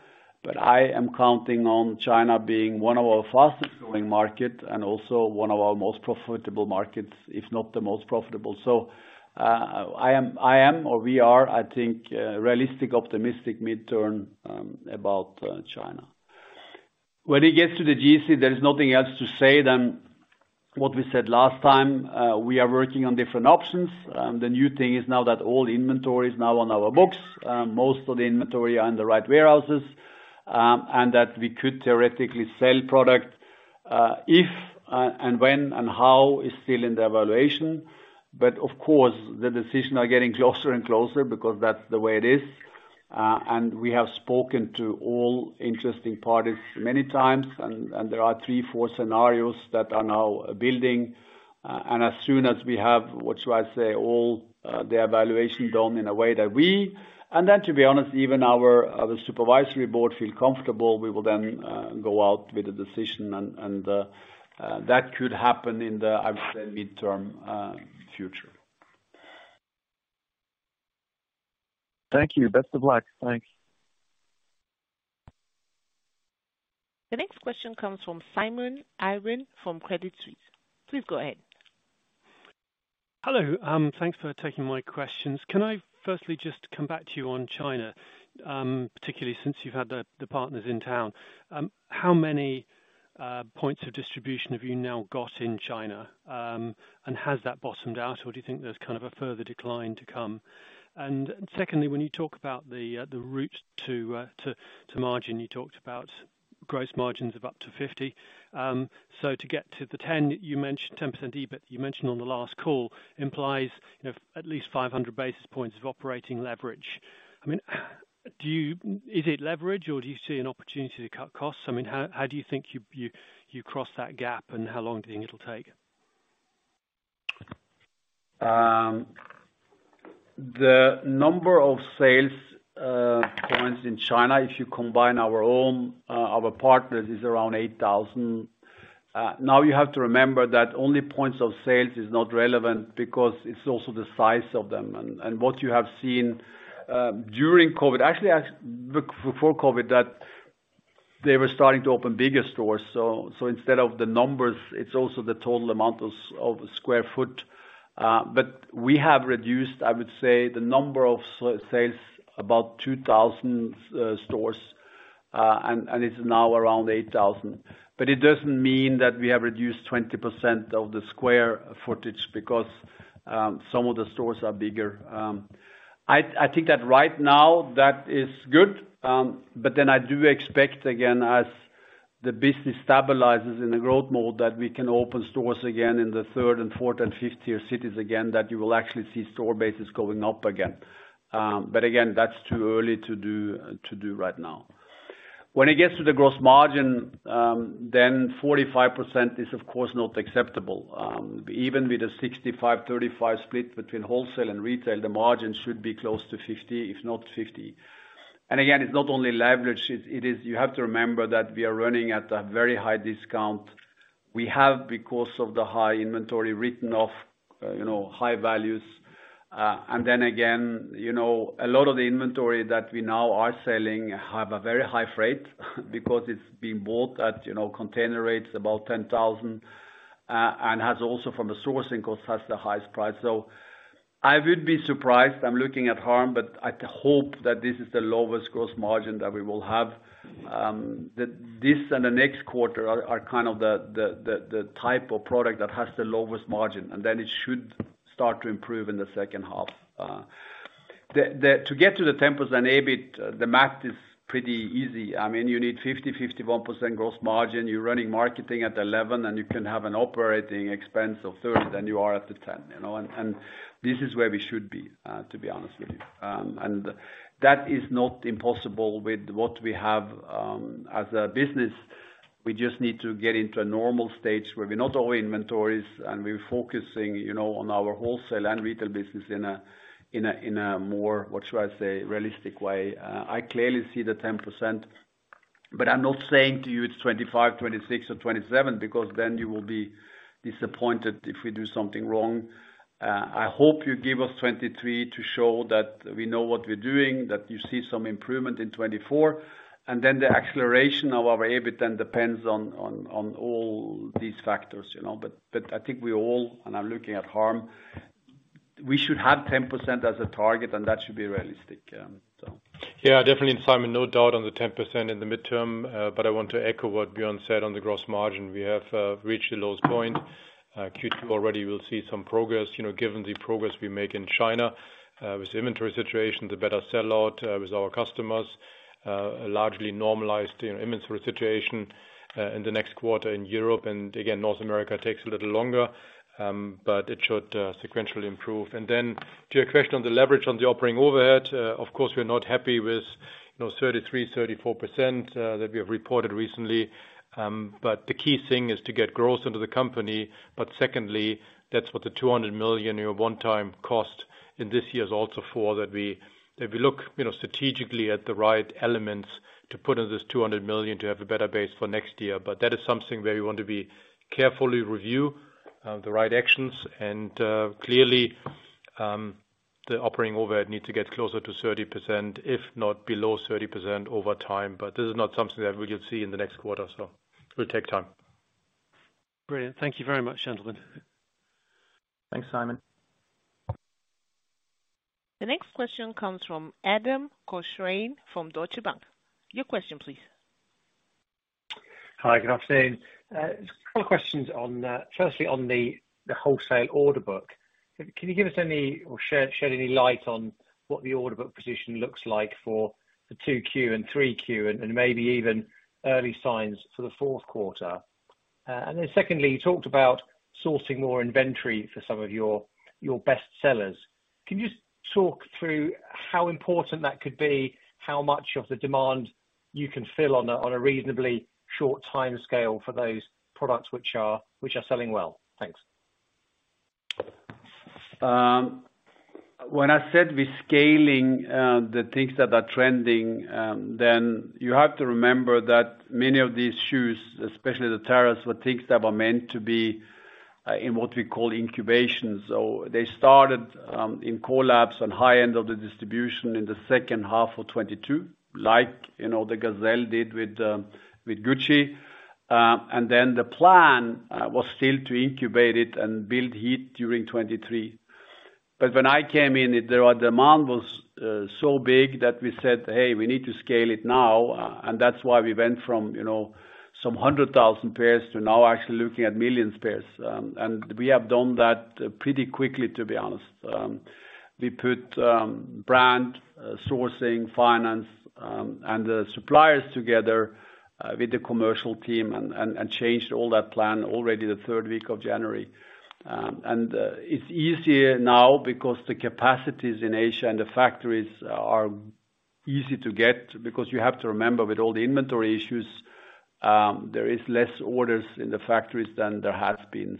[SPEAKER 3] but I am counting on China being one of our fastest growing market and also one of our most profitable markets, if not the most profitable. I am, I am or we are, I think, realistic, optimistic mid-term, about China. When it gets to the Yeezy, there is nothing else to say than what we said last time. We are working on different options. The new thing is now that all inventory is now on our books. Most of the inventory are in the right warehouses, and that we could theoretically sell product, if, and when and how is still in the evaluation. Of course, the decision are getting closer and closer because that's the way it is. We have spoken to all interesting parties many times, and there are 3-4 scenarios that are now building. As soon as we have, what should I say, all the evaluation done in a way. Then, to be honest, even our supervisory board feel comfortable, we will then go out with a decision and that could happen in the, I would say, midterm future.
[SPEAKER 4] Thank you. Best of luck. Thanks.
[SPEAKER 1] The next question comes from Simon Irwin from Credit Suisse. Please go ahead.
[SPEAKER 5] Hello. Thanks for taking my questions. Can I firstly just come back to you on China, particularly since you've had the partners in town. How many points of distribution have you now got in China? Has that bottomed out, or do you think there's kind of a further decline to come? Secondly, when you talk about the route to margin, you talked about gross margins of up to 50%. To get to the 10% you mentioned, 10% EBIT you mentioned on the last call implies, you know, at least 500 basis points of operating leverage. I mean, is it leverage or do you see an opportunity to cut costs? I mean, how do you think you cross that gap, how long do you think it'll take?
[SPEAKER 3] The number of sales points in China, if you combine our own, our partners, is around 8,000. You have to remember that only points of sales is not relevant because it's also the size of them. What you have seen during COVID, before COVID, that they were starting to open bigger stores. Instead of the numbers, it's also the total amount of square foot. We have reduced, I would say, the number of sales about 2,000 stores. It's now around 8,000. It doesn't mean that we have reduced 20% of the square footage because some of the stores are bigger. I think that right now that is good, I do expect again, as the business stabilizes in the growth mode, that we can open stores again in the third and fourth and fifth tier cities again, that you will actually see store bases going up again. That's too early to do right now. When it gets to the gross margin, 45% is of course, not acceptable. Even with a 65, 35 split between wholesale and retail, the margin should be close to 50, if not 50. It is not only leverage, it is you have to remember that we are running at a very high discount. We have, because of the high inventory written off, you know, high values. Then again, you know, a lot of the inventory that we now are selling have a very high freight because it's been bought at, you know, container rates about $10,000. Has also from a sourcing cost, has the highest price. I would be surprised, I'm looking at Harm, but I hope that this is the lowest gross margin that we will have. This and the next quarter are kind of the type of product that has the lowest margin, then it should start to improve in the second half. The to get to the 10% EBIT, the math is pretty easy. I mean, you need 50%-51% gross margin. You're running marketing at 11%, you can have an operating expense of 30%, you are at the 10%, you know. This is where we should be, to be honest with you. That is not impossible with what we have as a business. We just need to get into a normal stage where we're not over inventories and we're focusing, you know, on our wholesale and retail business in a more, what should I say, realistic way. I clearly see the 10%, I'm not saying to you it's 25%, 26% or 27% because then you will be disappointed if we do something wrong. I hope you give us 2023 to show that we know what we're doing, that you see some improvement in 2024. The acceleration of our EBIT depends on all these factors, you know. I think we all, and I'm looking at Harm, we should have 10% as a target and that should be realistic.
[SPEAKER 6] Yeah, definitely. Simon, no doubt on the 10% in the midterm, but I want to echo what Bjørn said on the gross margin. We have reached the lowest point. Q2 already, we'll see some progress, you know, given the progress we make in China, with the inventory situation, the better sell out, with our customers, largely normalized, you know, inventory situation, in the next quarter in Europe. Again, North America takes a little longer, but it should sequentially improve. Then to your question on the leverage on the operating overhead, of course, we're not happy with, you know, 33%-34%, that we have reported recently. The key thing is to get growth into the company. Secondly, that's what the 200 million one-time cost in this year is also for, that we look strategically at the right elements to put in this 200 million to have a better base for next year. That is something where we want to be carefully review the right actions and clearly the operating overhead needs to get closer to 30%, if not below 30% over time. This is not something that we will see in the next quarter, so it will take time.
[SPEAKER 5] Great. Thank you very much, gentlemen.
[SPEAKER 2] Thanks, Simon.
[SPEAKER 1] The next question comes from Adam Cochrane from Deutsche Bank. Your question, please.
[SPEAKER 7] Hi, good afternoon. Just a couple of questions on firstly on the wholesale order book. Can you give us any or shed any light on what the order book position looks like for the 2Q and 3Q and maybe even early signs for the 4Q? Secondly, you talked about sourcing more inventory for some of your best sellers. Can you talk through how important that could be? How much of the demand you can fill on a reasonably short timescale for those products which are selling well? Thanks.
[SPEAKER 3] When I said we're scaling, the things that are trending, then you have to remember that many of these shoes, especially the Terrace, were things that were meant to be in what we call incubation. They started in collabs on high end of the distribution in the second half of 2022, like, you know, the Gazelle did with Gucci. The plan was still to incubate it and build heat during 2023. When I came in, the demand was so big that we said, "Hey, we need to scale it now." That's why we went from, you know, some 100,000 pairs to now actually looking at millions pairs. We have done that pretty quickly, to be honest. We put brand, sourcing, finance, and the suppliers together with the commercial team and changed all that plan already the third week of January. It's easier now because the capacities in Asia and the factories are easy to get because you have to remember with all the inventory issues, there is less orders in the factories than there has been.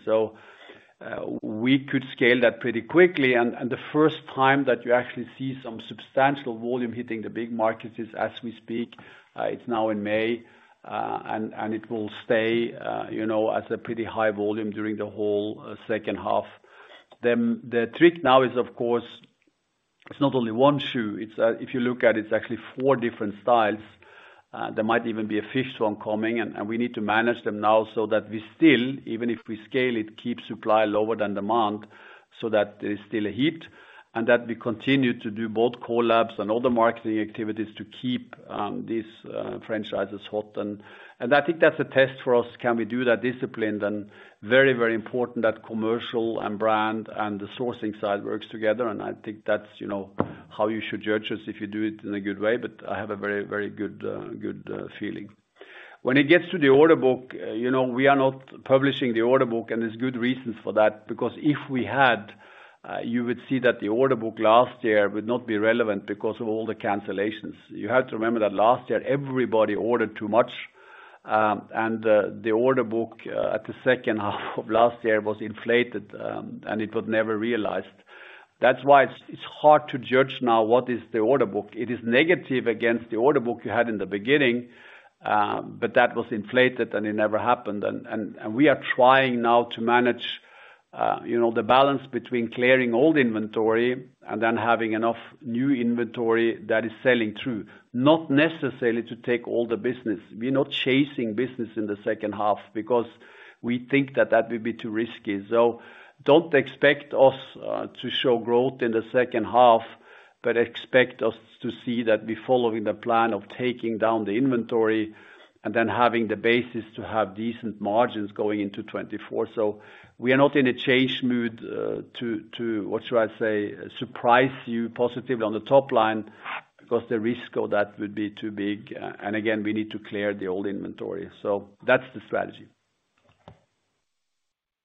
[SPEAKER 3] We could scale that pretty quickly. The first time that you actually see some substantial volume hitting the big markets is as we speak. It's now in May, it will stay, you know, at a pretty high volume during the whole second half. The trick now is, of course, it's not only one shoe. It's, if you look at it's actually four different styles. There might even be a fifth one coming, and we need to manage them now so that we still, even if we scale it, keep supply lower than demand so that there's still a heat. That we continue to do both collabs and all the marketing activities to keep these franchises hot. I think that's a test for us. Can we do that discipline then? Very important that commercial and brand and the sourcing side works together, and I think that's, you know, how you should judge us if you do it in a good way, but I have a very good feeling. When it gets to the order book, you know, we are not publishing the order book, and there's good reasons for that. Because if we had, you would see that the order book last year would not be relevant because of all the cancellations. You have to remember that last year everybody ordered too much, and the order book at the second half of last year was inflated, and it was never realized. That's why it's hard to judge now what is the order book. It is negative against the order book you had in the beginning, but that was inflated, and it never happened. We are trying now to manage, you know, the balance between clearing old inventory and then having enough new inventory that is selling through. Not necessarily to take all the business. We're not chasing business in the second half because we think that that will be too risky. Don't expect us to show growth in the second half, but expect us to see that we're following the plan of taking down the inventory and then having the basis to have decent margins going into 2024. We are not in a chase mood to, what should I say, surprise you positively on the top line because the risk of that would be too big. Again, we need to clear the old inventory. That's the strategy.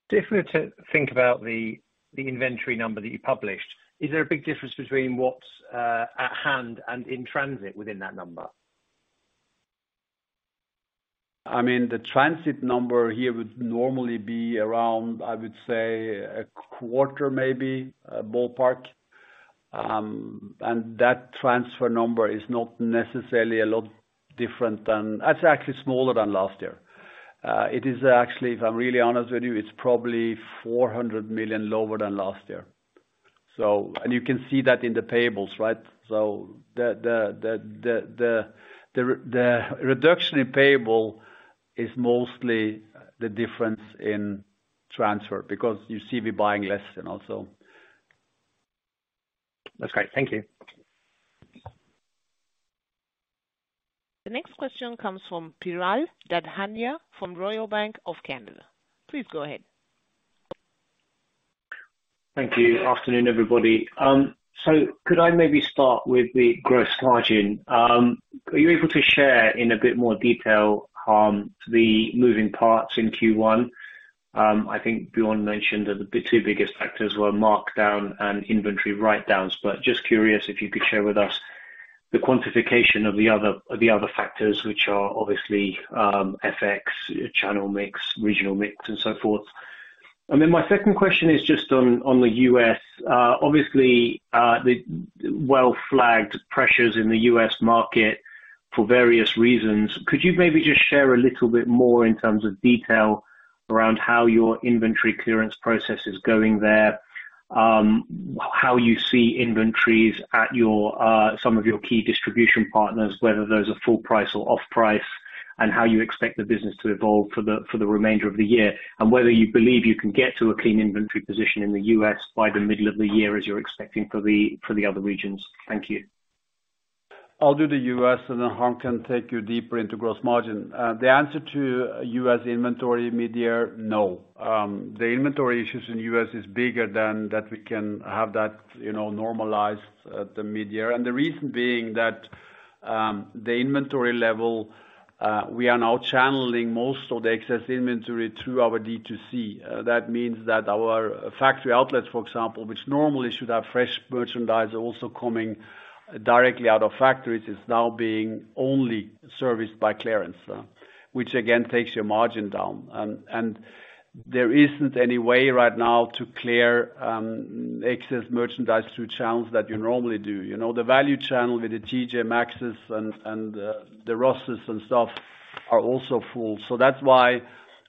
[SPEAKER 7] If we were to think about the inventory number that you published, is there a big difference between what's at hand and in transit within that number?
[SPEAKER 3] I mean, the transit number here would normally be around, I would say, a quarter maybe, a ballpark. That transfer number is not necessarily a lot different than. It's actually smaller than last year. It is actually, if I'm really honest with you, it's probably 400 million lower than last year. You can see that in the payables, right? The reduction in payable is mostly the difference in transfer because you see we're buying less and also.
[SPEAKER 7] That's great. Thank you.
[SPEAKER 1] The next question comes from Piral Dadhania from Royal Bank of Canada. Please go ahead.
[SPEAKER 8] Thank you. Afternoon, everybody. Could I maybe start with the gross margin? Are you able to share in a bit more detail the moving parts in Q1? I think Bjørn mentioned that the two biggest factors were markdown and inventory write-downs, but just curious if you could share with us the quantification of the other factors, which are obviously FX, channel mix, regional mix, and so forth. My second question is just on the U.S. Obviously, the well-flagged pressures in the U.S. market for various reasons. Could you maybe just share a little bit more in terms of detail around how your inventory clearance process is going there? How you see inventories at some of your key distribution partners, whether those are full price or off price, and how you expect the business to evolve for the remainder of the year, and whether you believe you can get to a clean inventory position in the U.S. by the middle of the year as you're expecting for the other regions. Thank you.
[SPEAKER 3] I'll do the U.S., and then Harm can take you deeper into gross margin. The answer to U.S. inventory midyear, no. The inventory issues in the U.S. is bigger than that we can have that, you know, normalized at the midyear. The reason being that the inventory level, we are now channeling most of the excess inventory through our B2C. That means that our factory outlets, for example, which normally should have fresh merchandise also coming directly out of factories, is now being only serviced by clearance. Which again, takes your margin down. There isn't any way right now to clear excess merchandise through channels that you normally do. You know, the value channel with the TJ Maxxes and the Rosses and stuff are also full. That's why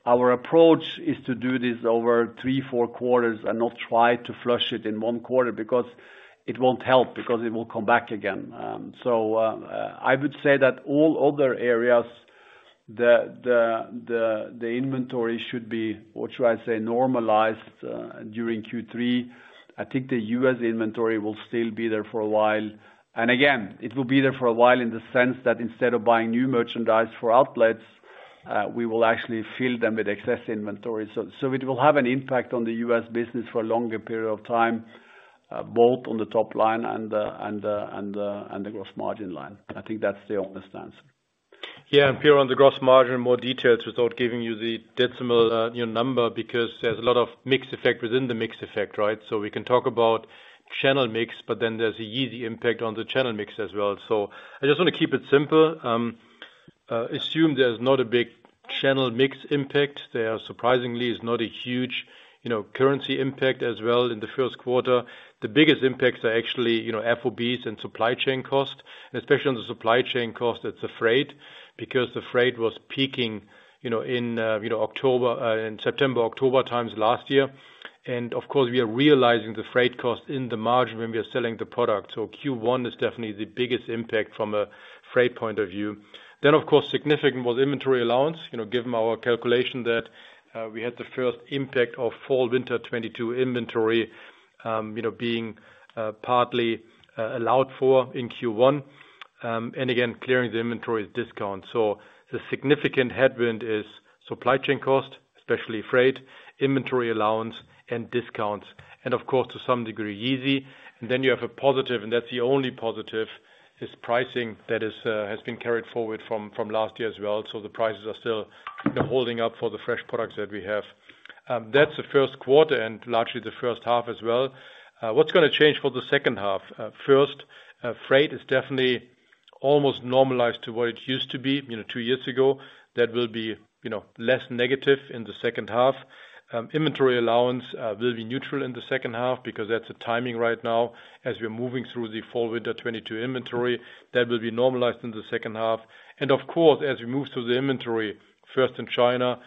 [SPEAKER 3] our approach is to do this over three, four quarters and not try to flush it in one quarter because it won't help, because it will come back again. I would say that all other areas, the inventory should be, what should I say, normalized during Q3. I think the U.S. inventory will still be there for a while. Again, it will be there for a while in the sense that instead of buying new merchandise for outlets, we will actually fill them with excess inventory. It will have an impact on the U.S. business for a longer period of time, both on the top line and the gross margin line. I think that's the honest answer.
[SPEAKER 6] Yeah, Piral, on the gross margin, more details without giving you the decimal, you know, number, because there's a lot of mix effect within the mix effect, right? We can talk about channel mix, but then there's a Yeezy impact on the channel mix as well. I just wanna keep it simple. Assume there's not a big channel mix impact. There surprisingly is not a huge, you know, currency impact as well in the first quarter. The biggest impacts are actually, you know, FOBs and supply chain costs, and especially on the supply chain cost, it's the freight. The freight was peaking, you know, in October, in September, October times last year. Of course, we are realizing the freight cost in the margin when we are selling the product. Q1 is definitely the biggest impact from a freight point of view. Of course, significant was inventory allowance, you know, given our calculation that we had the first impact of fall/winter 2022 inventory, you know, being partly allowed for in Q1. Again, clearing the inventory is discount. The significant headwind is supply chain cost, especially freight, inventory allowance and discounts, and of course to some degree Yeezy. You have a positive, and that's the only positive, is pricing that has been carried forward from last year as well. The prices are still, you know, holding up for the fresh products that we have. That's the first quarter and largely the first half as well. What's gonna change for the second half? First, freight is definitely almost normalized to what it used to be, you know, two years ago. That will be, you know, less negative in the second half. Inventory allowance will be neutral in the second half because that's the timing right now as we're moving through the fall/winter 2022 inventory. That will be normalized in the second half. Of course, as we move through the inventory, first in China,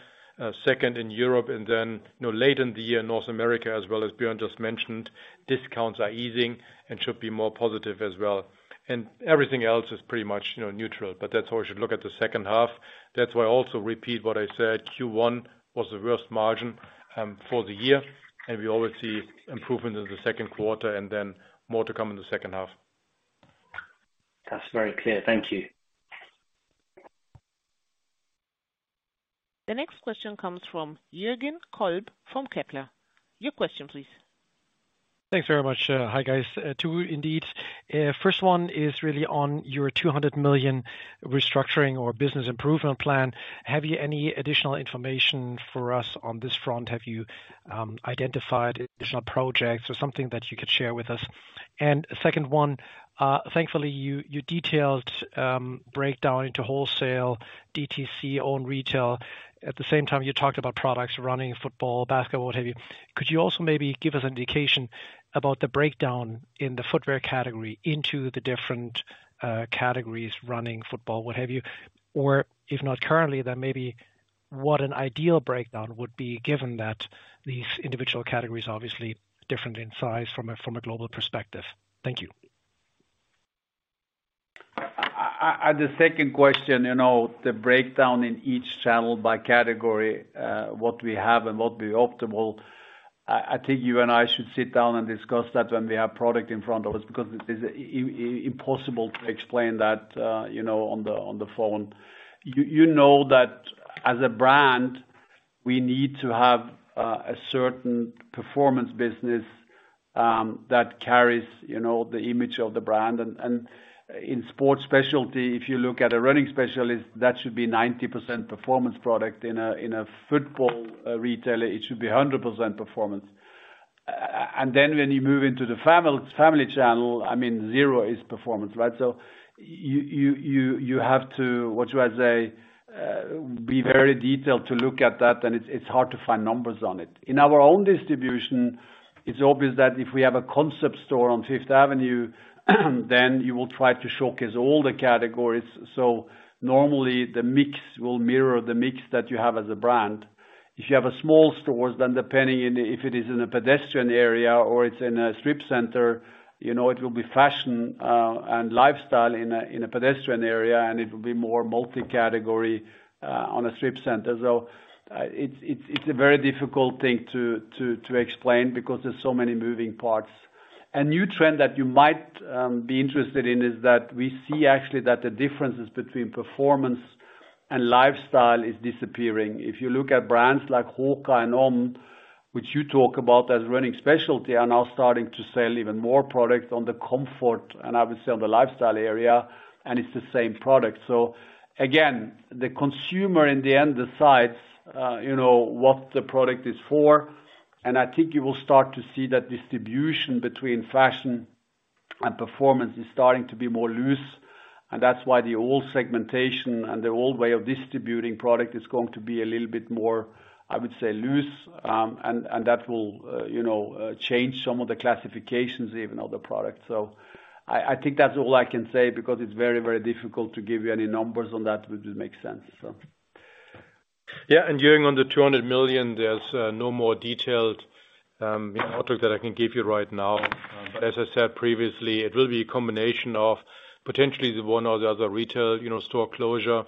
[SPEAKER 6] second in Europe, you know, late in the year, North America as well as Björn just mentioned, discounts are easing and should be more positive as well. Everything else is pretty much, you know, neutral, but that's how we should look at the second half. That's why I also repeat what I said, Q1 was the worst margin for the year, and we always see improvement in the second quarter and then more to come in the second half.
[SPEAKER 8] That's very clear. Thank you.
[SPEAKER 1] The next question comes from Jürgen Kolb from Kepler. Your question please.
[SPEAKER 9] Thanks very much. Hi guys. Two indeed. First one is really on your 200 million restructuring or business improvement plan. Have you any additional information for us on this front? Have you identified additional projects or something that you could share with us? Second one, thankfully you detailed breakdown into wholesale DTC owned retail. At the same time, you talked about products, running, football, basketball, what have you. Could you also maybe give us an indication about the breakdown in the footwear category into the different categories, running, football, what have you? Or if not currently, then maybe what an ideal breakdown would be given that these individual categories are obviously different in size from a, from a global perspective. Thank you.
[SPEAKER 3] The second question, you know, the breakdown in each channel by category, what we have and what be optimal, I think you and I should sit down and discuss that when we have product in front of us because it is impossible to explain that, you know, on the phone. You know that as a brand, we need to have a certain performance business, that carries, you know, the image of the brand. In sports specialty, if you look at a running specialist, that should be 90% performance product. In a football retailer, it should be 100% performance. And then when you move into the family channel, I mean, 0 is performance, right? You have to, what do I say, be very detailed to look at that and it's hard to find numbers on it. In our own distribution, it's obvious that if we have a concept store on Fifth Avenue, then you will try to showcase all the categories. Normally the mix will mirror the mix that you have as a brand. If you have small stores, then depending if it is in a pedestrian area or it's in a strip center, you know, it will be fashion and lifestyle in a pedestrian area, and it will be more multi-category on a strip center. It's a very difficult thing to explain because there's so many moving parts. A new trend that you might be interested in is that we see actually that the differences between performance and lifestyle is disappearing. If you look at brands like HOKA and On, which you talk about as running specialty, are now starting to sell even more product on the comfort and I would say on the lifestyle area, and it's the same product. Again, the consumer in the end decides, you know, what the product is for. I think you will start to see that distribution between fashion and performance is starting to be more loose. That's why the old segmentation and the old way of distributing product is going to be a little bit more, I would say, loose. That will, you know, change some of the classifications even of the product. I think that's all I can say because it's very, very difficult to give you any numbers on that, which would make sense.
[SPEAKER 6] Jürgen on the 200 million, there's no more detailed, you know, outlook that I can give you right now. As I said previously, it will be a combination of potentially the one or the other retail, you know, store closure.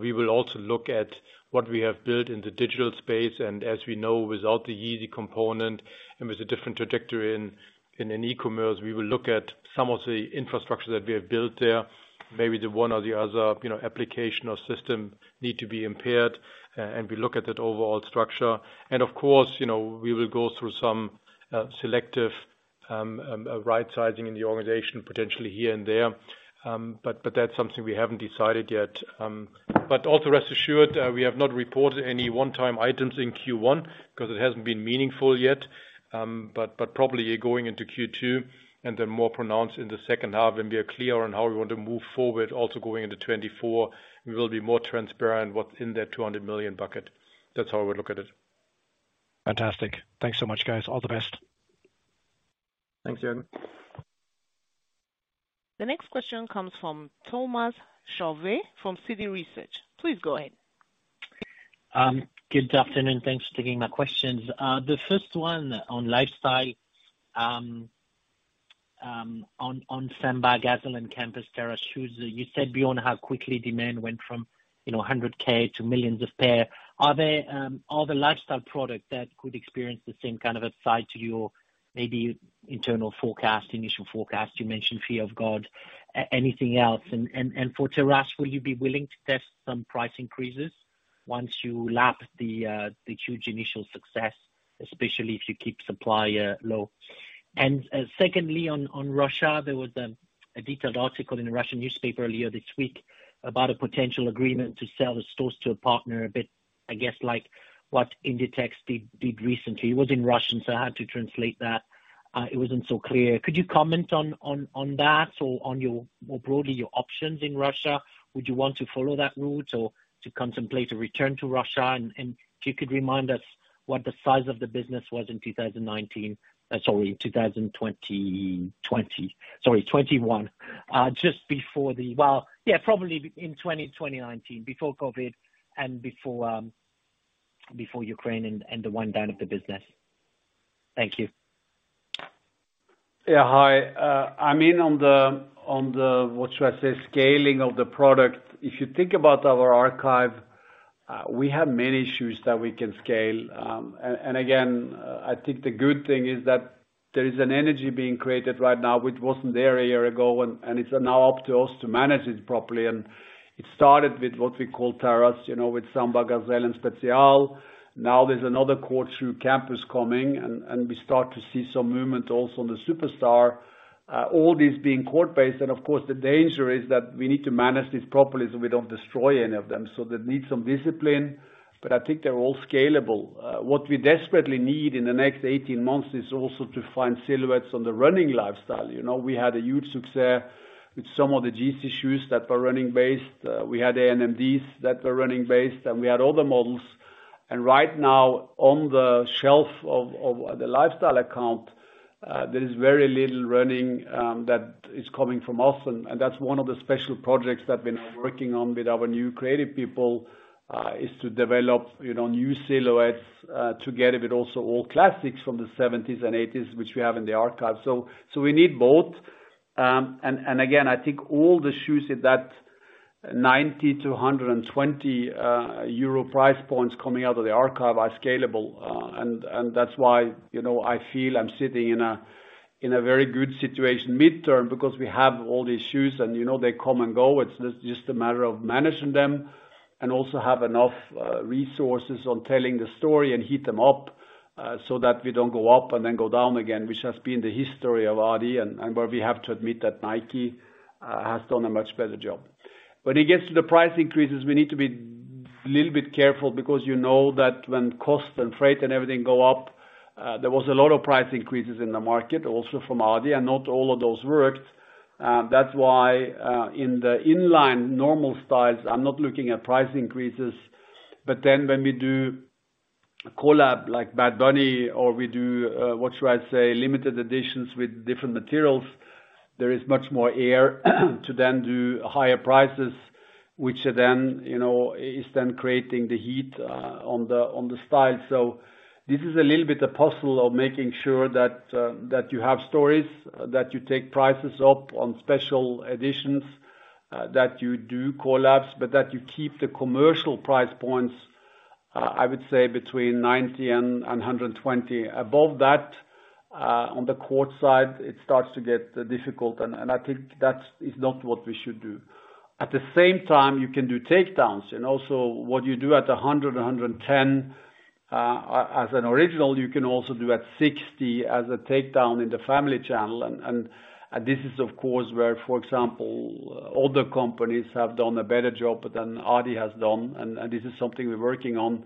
[SPEAKER 6] We will also look at what we have built in the digital space and as we know, without the Yeezy component and with a different trajectory in an e-commerce, we will look at some of the infrastructure that we have built there. Maybe the one or the other, you know, application or system need to be impaired. We look at that overall structure. Of course, you know, we will go through some selective, right-sizing in the organization potentially here and there. That's something we haven't decided yet. Also rest assured, we have not reported any one-time items in Q1 because it hasn't been meaningful yet. Probably going into Q2 and then more pronounced in the second half when we are clear on how we want to move forward, also going into 2024, we will be more transparent what's in that 200 million bucket. That's how I would look at it.
[SPEAKER 9] Fantastic. Thanks so much, guys. All the best.
[SPEAKER 2] Thanks, Jürgen.
[SPEAKER 1] The next question comes from Thomas Chauvet from Citi Research. Please go ahead.
[SPEAKER 10] Good afternoon, thanks for taking my questions. The first one on lifestyle, on Samba, Gazelle, and Campus Terrace shoes. You said beyond how quickly demand went from, you know, 100K to millions of pair. Are there other lifestyle product that could experience the same kind of upside to your maybe internal forecast, initial forecast? You mentioned Fear of God. Anything else? For Terrace, will you be willing to test some price increases once you lap the huge initial success, especially if you keep supply low? Secondly on Russia, there was a detailed article in a Russian newspaper earlier this week about a potential agreement to sell the stores to a partner, a bit, I guess, like what Inditex did recently. It was in Russian, so I had to translate that. It wasn't so clear. Could you comment on that or on your, more broadly, your options in Russia? Would you want to follow that route or to contemplate a return to Russia? If you could remind us what the size of the business was in 2019. Sorry, 2020. Sorry, 2021. just before the... Well, yeah, probably in 2019, before COVID and before Ukraine and the wind down of the business. Thank you.
[SPEAKER 3] Yeah, hi. I mean on the, what should I say, scaling of the product, if you think about our archive, we have many shoes that we can scale. And again, I think the good thing is that there is an energy being created right now, which wasn't there a year ago, and it's now up to us to manage it properly. It started with what we call Terrace, you know, with Samba, Gazelle, and Spezial. Now there's another court shoe, Campus, coming and we start to see some movement also on the Superstar. All these being court-based, and of course the danger is that we need to manage this properly so we don't destroy any of them. They need some discipline, but I think they're all scalable. What we desperately need in the next 18 months is also to find silhouettes on the running lifestyle. You know, we had a huge success with some of the JT shoes that were running-based. We had NMDs that were running-based, and we had other models. Right now on the shelf of the lifestyle account, there is very little running that is coming from us. That's one of the special projects that we're now working on with our new creative people, is to develop, you know, new silhouettes, together with also old classics from the 1970s and 1980s which we have in the archive. We need both. Again, I think all the shoes at that 90-120 euro price points coming out of the archive are scalable. That's why, you know, I feel I'm sitting in a very good situation midterm because we have all these shoes and, you know, they come and go. It's just a matter of managing them and also have enough resources on telling the story and heat them up so that we don't go up and then go down again, which has been the history of adidas and where we have to admit that Nike has done a much better job. When it gets to the price increases, we need to be little bit careful because you know that when cost and freight and everything go up, there was a lot of price increases in the market also from adidas and not all of those worked. That's why, in the inline normal styles, I'm not looking at price increases. When we do collab like Bad Bunny or we do, what should I say, limited editions with different materials, there is much more air to then do higher prices, which then, you know, is then creating the heat on the style. This is a little bit a puzzle of making sure that you have stories, that you take prices up on special editions, that you do collabs, but that you keep the commercial price points, I would say between 90 and 120. Above that, on the court side it starts to get difficult and I think that is not what we should do. At the same time you can do takedowns and also what you do at 110, as an original you can also do at 60 as a takedown in the family channel. This is of course where for example other companies have done a better job than adidas has done, and this is something we're working on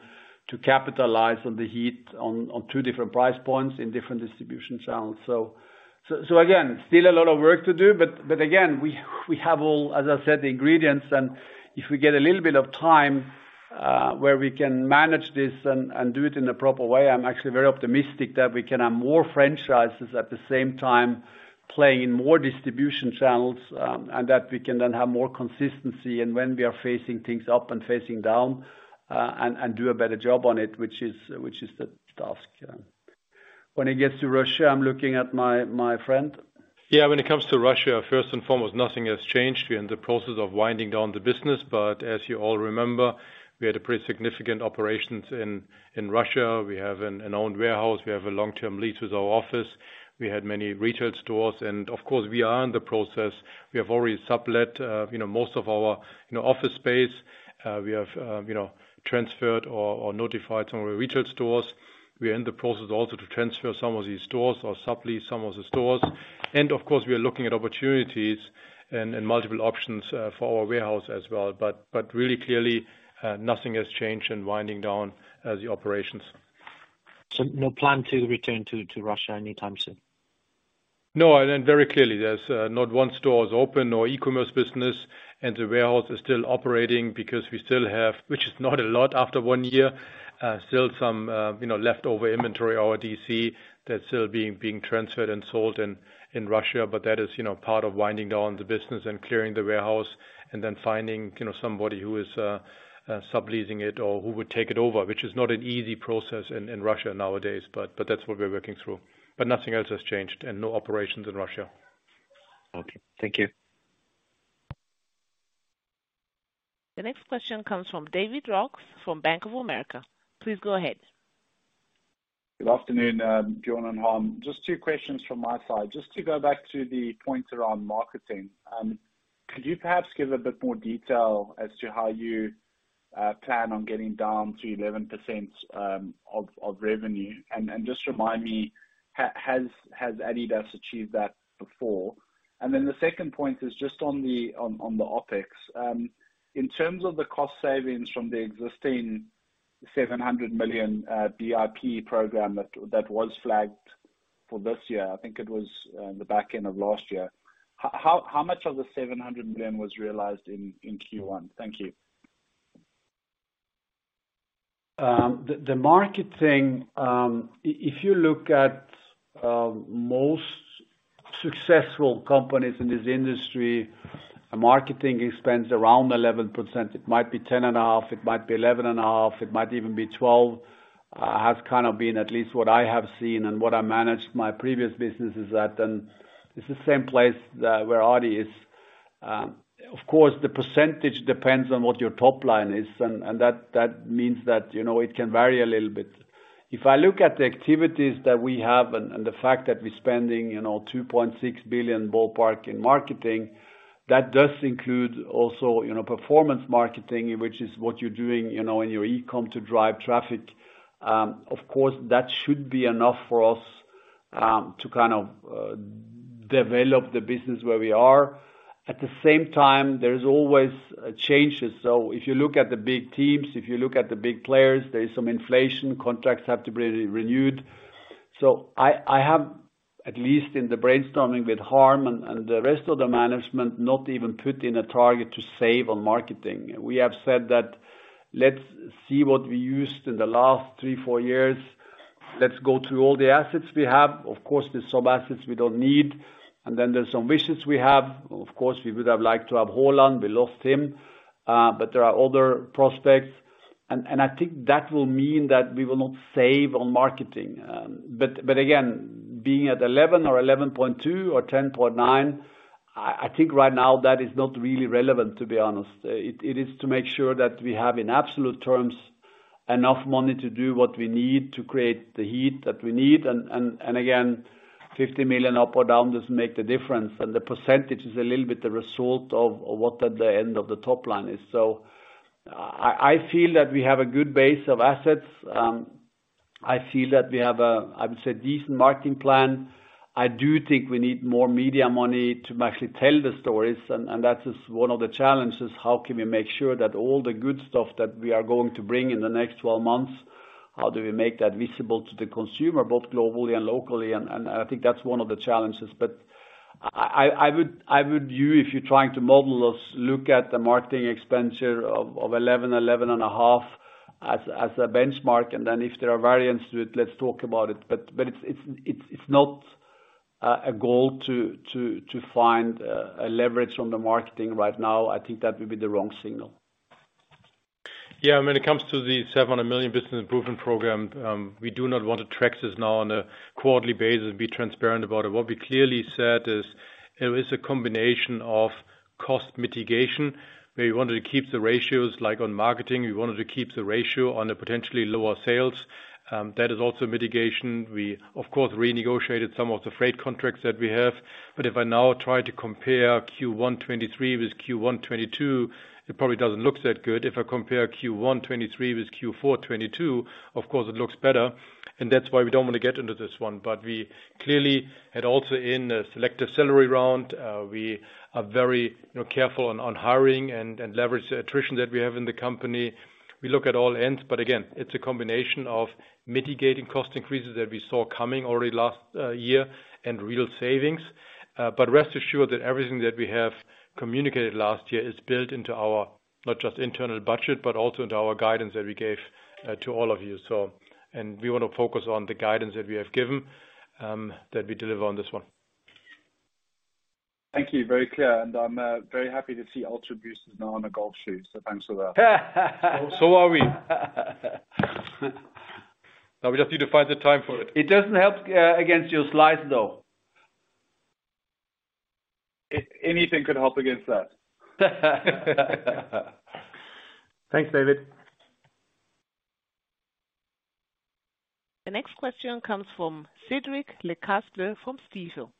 [SPEAKER 3] to capitalize on the heat on two different price points in different distribution channels. Again still a lot of work to do but again we have all, as I said, the ingredients and if we get a little bit of time, where we can manage this and do it in a proper way, I'm actually very optimistic that we can have more franchises at the same time playing more distribution channels, and that we can then have more consistency in when we are facing things up and facing down, and do a better job on it which is the task. Yeah. When it gets to Russia, I'm looking at my friend.
[SPEAKER 6] Yeah, when it comes to Russia, first and foremost nothing has changed. We're in the process of winding down the business. As you all remember, we had a pretty significant operations in Russia. We have an owned warehouse. We have a long-term lease with our office. We had many retail stores. Of course we are in the process. We have already sublet, you know, most of our, you know, office space. We have, you know, transferred or notified some of our retail stores. We are in the process also to transfer some of these stores or sublease some of the stores. Of course we are looking at opportunities and multiple options for our warehouse as well. Really clearly, nothing has changed in winding down the operations.
[SPEAKER 10] no plan to return to Russia anytime soon?
[SPEAKER 6] Very clearly there's not one store is open, no e-commerce business, and the warehouse is still operating because we still have, which is not a lot after one year, still some, you know, leftover inventory of Yeezy that's still being transferred and sold in Russia. That is, you know, part of winding down the business and clearing the warehouse and then finding, you know, somebody who is subleasing it or who would take it over, which is not an easy process in Russia nowadays, but that's what we're working through. Nothing else has changed and no operations in Russia.
[SPEAKER 10] Okay, thank you.
[SPEAKER 1] The next question comes from David Roux from Bank of America. Please go ahead.
[SPEAKER 11] Good afternoon, Bjørn and Harm. Just two questions from my side. Just to go back to the points around marketing, could you perhaps give a bit more detail as to how you plan on getting down to 11% of revenue? Just remind me, has adidas achieved that before? The second point is just on the OpEx. In terms of the cost savings from the existing 700 million BIP program that was flagged for this year, I think it was in the back end of last year. How much of the 700 million was realized in Q1? Thank you.
[SPEAKER 3] The marketing, if you look at most successful companies in this industry, marketing spends around 11%. It might be 10.5%, it might be 11.5%, it might even be 12%. Has kind of been at least what I have seen and what I managed my previous businesses at, and it's the same place where Adi is. Of course, the percentage depends on what your top line is, and that means that, you know, it can vary a little bit. If I look at the activities that we have and the fact that we're spending, you know, 2.6 billion ballpark in marketing, that does include also, you know, performance marketing, which is what you're doing, you know, in your e-com to drive traffic. Of course, that should be enough for us to develop the business where we are. At the same time, there's always changes. If you look at the big teams, if you look at the big players, there is some inflation. Contracts have to be renewed. I have, at least in the brainstorming with Harm and the rest of the management, not even put in a target to save on marketing. We have said that let's see what we used in the last 3, 4 years. Let's go through all the assets we have. Of course, there's some assets we don't need, there's some wishes we have. Of course, we would have liked to have Haaland. We lost him. There are other prospects. I think that will mean that we will not save on marketing. But again, being at 11 or 11.2 or 10.9, right now that is not really relevant, to be honest. It is to make sure that we have, in absolute terms, enough money to do what we need to create the heat that we need. Again, 50 million up or down doesn't make the difference. The percentage is a little bit the result of what at the end of the top line is. I feel that we have a good base of assets. I feel that we have a decent marketing plan. I do think we need more media money to actually tell the stories. That is one of the challenges. How can we make sure that all the good stuff that we are going to bring in the next 12 months, how do we make that visible to the consumer, both globally and locally? I think that's one of the challenges. I would you, if you're trying to model us, look at the marketing expenditure of 11.5 as a benchmark, and then if there are variants to it, let's talk about it. It's not a goal to find a leverage from the marketing right now. I think that would be the wrong signal.
[SPEAKER 6] Yeah, when it comes to the 700 million business improvement program, we do not want to track this now on a quarterly basis and be transparent about it. What we clearly said is it was a combination of cost mitigation, where we wanted to keep the ratios, like on marketing, we wanted to keep the ratio on a potentially lower sales. That is also mitigation. We of course renegotiated some of the freight contracts that we have. If I now try to compare Q1 2023 with Q1 2022, it probably doesn't look that good. If I compare Q1 2023 with Q4 2022, of course it looks better, and that's why we don't want to get into this one. We clearly had also in a selective salary round, we are very, you know, careful on hiring and leverage the attrition that we have in the company. We look at all ends, but again, it's a combination of mitigating cost increases that we saw coming already last year and real savings. Rest assured that everything that we have communicated last year is built into our, not just internal budget, but also into our guidance that we gave to all of you. We wanna focus on the guidance that we have given that we deliver on this one.
[SPEAKER 11] Thank you. Very clear. I'm very happy to see Ultraboost is now on a golf shoe, so thanks for that.
[SPEAKER 6] Are we. Now we just need to find the time for it.
[SPEAKER 3] It doesn't help, against your slice, though.
[SPEAKER 11] If anything could help against that.
[SPEAKER 2] Thanks, David.
[SPEAKER 1] The next question comes from Cédric Lecasble from Stifel.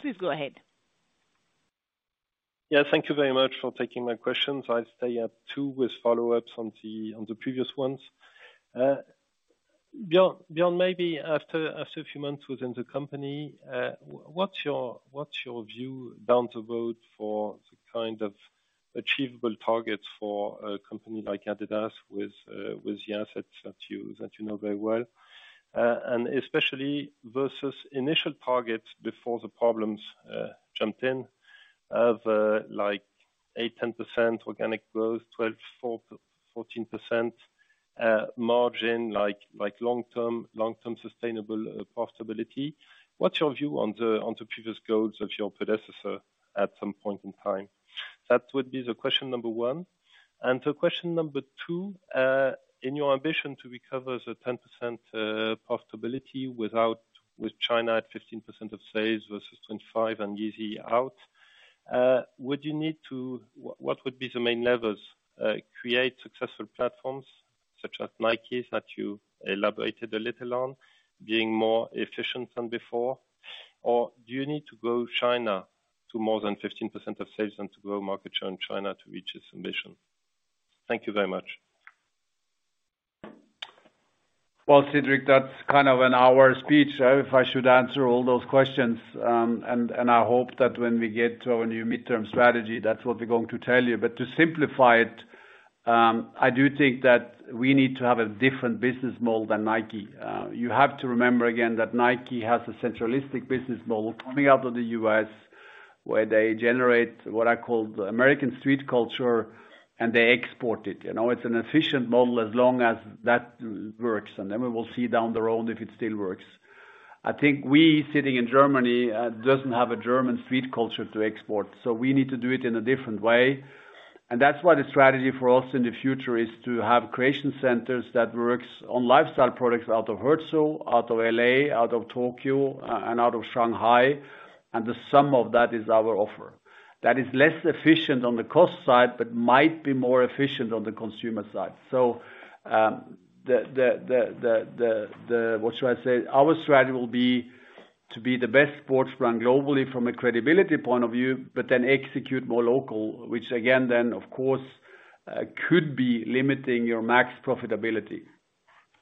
[SPEAKER 1] Please go ahead.
[SPEAKER 12] Yeah. Thank you very much for taking my questions. I stay at 2 with follow-ups on the, on the previous ones. Bjørn, maybe after a few months within the company, what's your view down the road for the kind of achievable targets for a company like adidas with the assets that you, that you know very well, and especially versus initial targets before the problems jumped in of like 8%, 10% organic growth, 12%, 4%-14% margin, like long-term sustainable profitability. What's your view on the, on the previous goals of your predecessor at some point in time? That would be the question number one. Question number 2, in your ambition to recover the 10% profitability without with China at 15% of sales versus 20% and Yeezy out, what would be the main levers, create successful platforms such as Nike that you elaborated a little on being more efficient than before? Or do you need to grow China to more than 15% of sales and to grow market share in China to reach this ambition? Thank you very much.
[SPEAKER 3] Well, Cédric, that's kind of an hour speech if I should answer all those questions. I hope that when we get to our new midterm strategy, that's what we're going to tell you. To simplify it, I do think that we need to have a different business model than Nike. You have to remember again that Nike has a centralistic business model coming out of the U.S. where they generate what I call the American street culture, and they export it. You know, it's an efficient model as long as that works, and then we will see down the road if it still works. I think we sitting in Germany, doesn't have a German street culture to export, so we need to do it in a different way. That's why the strategy for us in the future is to have creation centers that works on lifestyle products out of Herzo, out of L.A., out of Tokyo, and out of Shanghai. The sum of that is our offer. That is less efficient on the cost side, but might be more efficient on the consumer side. What should I say? Our strategy will be to be the best sports brand globally from a credibility point of view, but then execute more local, which again then of course, could be limiting your max profitability.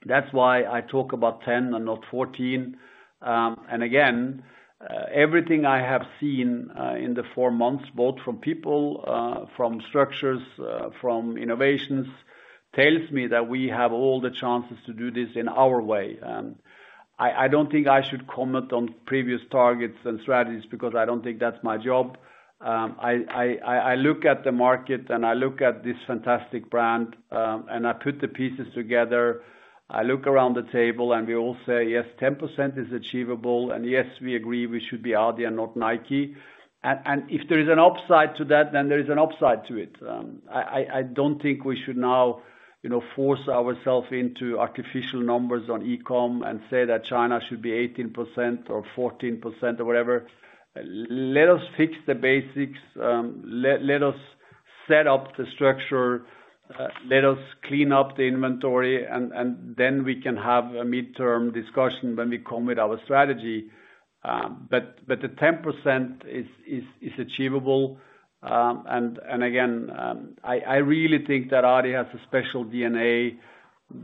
[SPEAKER 3] That's why I talk about 10% and not 14%. Again, everything I have seen in the 4 months, both from people, from structures, from innovations, tells me that we have all the chances to do this in our way. I don't think I should comment on previous targets and strategies because I don't think that's my job. I look at the market and I look at this fantastic brand, and I put the pieces together. I look around the table and we all say, yes, 10% is achievable, and yes, we agree we should be adidas and not Nike. If there is an upside to that, then there is an upside to it. I don't think we should now, you know, force ourselves into artificial numbers on e-com and say that China should be 18% or 14% or whatever. Let us fix the basics, let us set up the structure, let us clean up the inventory, then we can have a midterm discussion when we commit our strategy. But the 10% is achievable. And again, I really think that adidas has a special DNA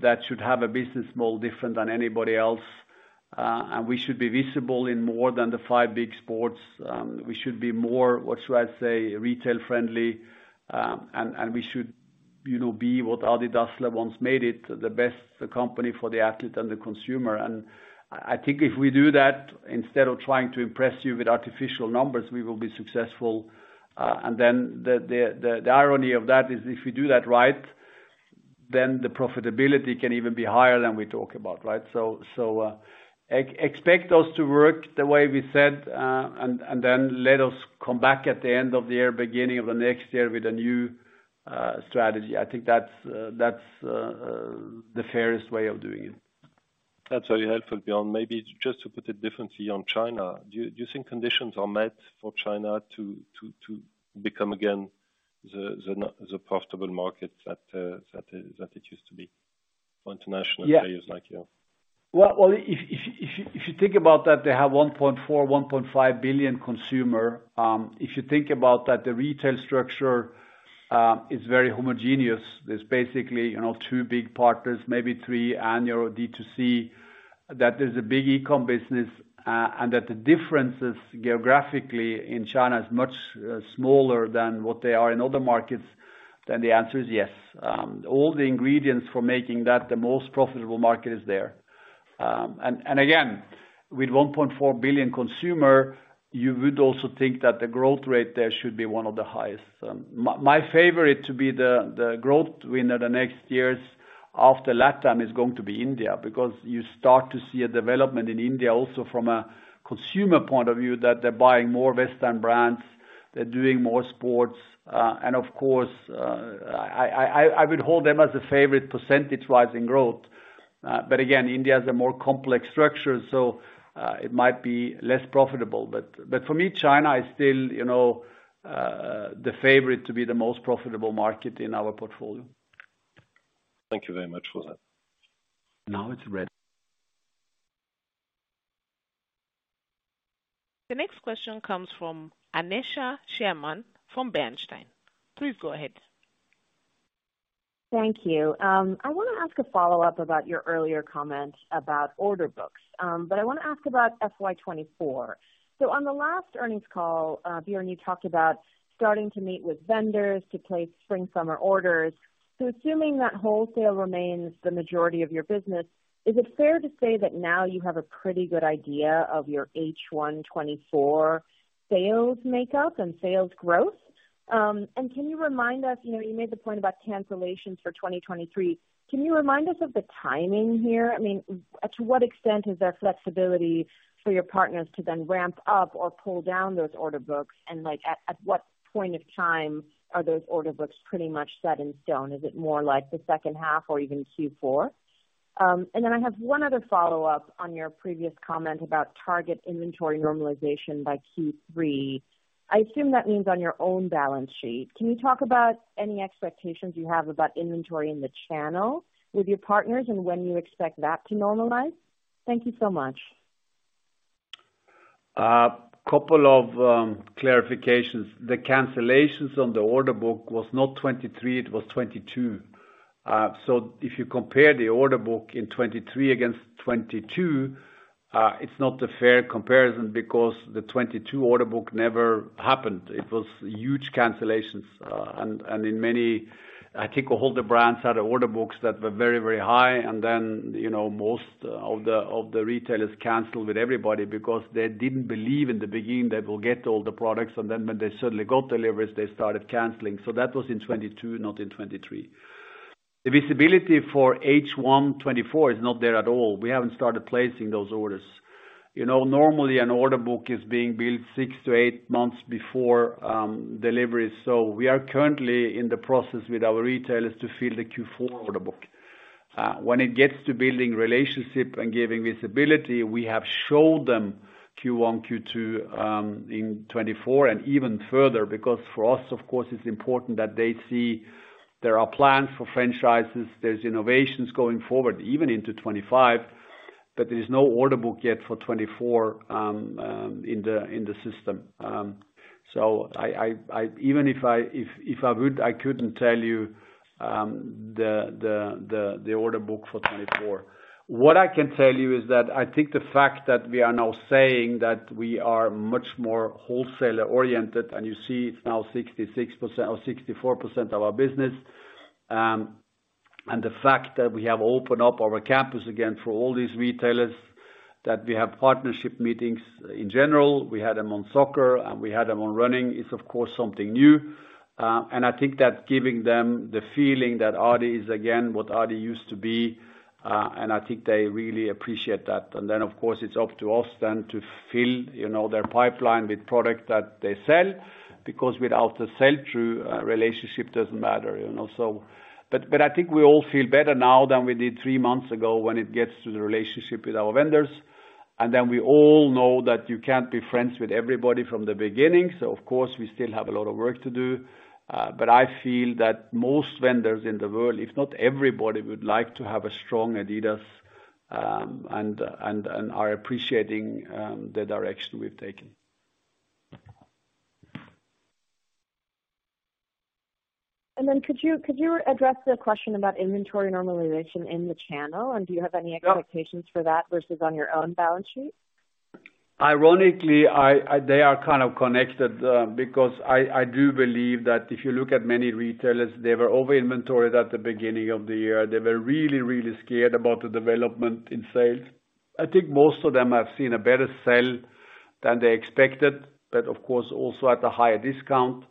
[SPEAKER 3] that should have a business model different than anybody else. And we should be visible in more than the five big sports. We should be more, what should I say, retail friendly. And we should, you know, be what Adi Dassler once made it, the best company for the athlete and the consumer. And I think if we do that instead of trying to impress you with artificial numbers, we will be successful. And then the irony of that is if you do that right, then the profitability can even be higher than we talk about, right? Expect us to work the way we said, and then let us come back at the end of the year, beginning of the next year with a new strategy. I think that's the fairest way of doing it.
[SPEAKER 12] That's very helpful, Bjørn. Maybe just to put a different view on China. Do you think conditions are met for China to become again the profitable market that it used to be for international players like you?
[SPEAKER 3] If you think about that they have 1.4 billion-1.5 billion consumer, if you think about that, the retail structure is very homogeneous. There's basically, you know, two big partners, maybe three annual B2C, that there's a big e-com business, and that the differences geographically in China is much smaller than what they are in other markets, then the answer is yes. All the ingredients for making that the most profitable market is there. Again, with 1.4 billion consumer, you would also think that the growth rate there should be one of the highest. My favorite to be the growth winner the next years after LatAm is going to be India because you start to see a development in India also from a consumer point of view, that they're buying more Western brands, they're doing more sports. Of course, I would hold them as a favorite percentage rise in growth. Again, India is a more complex structure, so it might be less profitable. For me, China is still, you know, the favorite to be the most profitable market in our portfolio.
[SPEAKER 12] Thank you very much for that.
[SPEAKER 2] Now it's red.
[SPEAKER 1] The next question comes from Aneesha Sherman from Bernstein. Please go ahead.
[SPEAKER 13] Thank you. I want to ask a follow-up about your earlier comment about order books. I want to ask about FY 2024. On the last earnings call, Bjørn, you talked about starting to meet with vendors to place spring/summer orders. Assuming that wholesale remains the majority of your business, is it fair to say that now you have a pretty good idea of your H1 2024 sales makeup and sales growth? Can you remind us, you know, you made the point about cancellations for 2023. Can you remind us of the timing here? I mean, to what extent is there flexibility for your partners to then ramp up or pull down those order books? Like, at what point of time are those order books pretty much set in stone? Is it more like the second half or even Q4? I have one other follow-up on your previous comment about target inventory normalization by Q3. I assume that means on your own balance sheet. Can you talk about any expectations you have about inventory in the channel with your partners and when you expect that to normalize? Thank you so much.
[SPEAKER 3] Couple of clarifications. The cancellations on the order book was not 2023, it was 2022. If you compare the order book in 2023 against 2022, it's not a fair comparison because the 2022 order book never happened. It was huge cancellations. In many, I think all the brands had order books that were very high. You know, most of the retailers canceled with everybody because they didn't believe in the beginning they will get all the products. When they suddenly got deliveries, they started canceling. That was in 2022, not in 2023. The visibility for H1 2024 is not there at all. We haven't started placing those orders. You know, normally an order book is being built 6 to 8 months before delivery. We are currently in the process with our retailers to fill the Q4 order book. When it gets to building relationship and giving visibility, we have showed them Q1, Q2, in 2024 and even further. For us, of course, it's important that they see there are plans for franchises, there's innovations going forward even into 2025, but there is no order book yet for 2024 in the system. I even if I would, I couldn't tell you the order book for 2024. What I can tell you is that I think the fact that we are now saying that we are much more wholesaler-oriented, and you see it's now 66% or 64% of our business. The fact that we have opened up our campus again for all these retailers, that we have partnership meetings in general. We had them on soccer and we had them on running. It's of course something new. I think that giving them the feeling that Adi is again what Adi used to be, and I think they really appreciate that. Of course, it's up to us then to fill, you know, their pipeline with product that they sell, because without the sell-through, relationship doesn't matter, you know. But I think we all feel better now than we did three months ago when it gets to the relationship with our vendors. We all know that you can't be friends with everybody from the beginning. Of course we still have a lot of work to do. I feel that most vendors in the world, if not everybody, would like to have a strong adidas, and are appreciating the direction we've taken.
[SPEAKER 13] Could you address the question about inventory normalization in the channel? Do you have any expectations for that versus on your own balance sheet?
[SPEAKER 3] Ironically, they are kind of connected, because I do believe that if you look at many retailers, they were over-inventoried at the beginning of the year. They were really scared about the development in sales. I think most of them have seen a better sell than they expected, but of course also at a higher discount.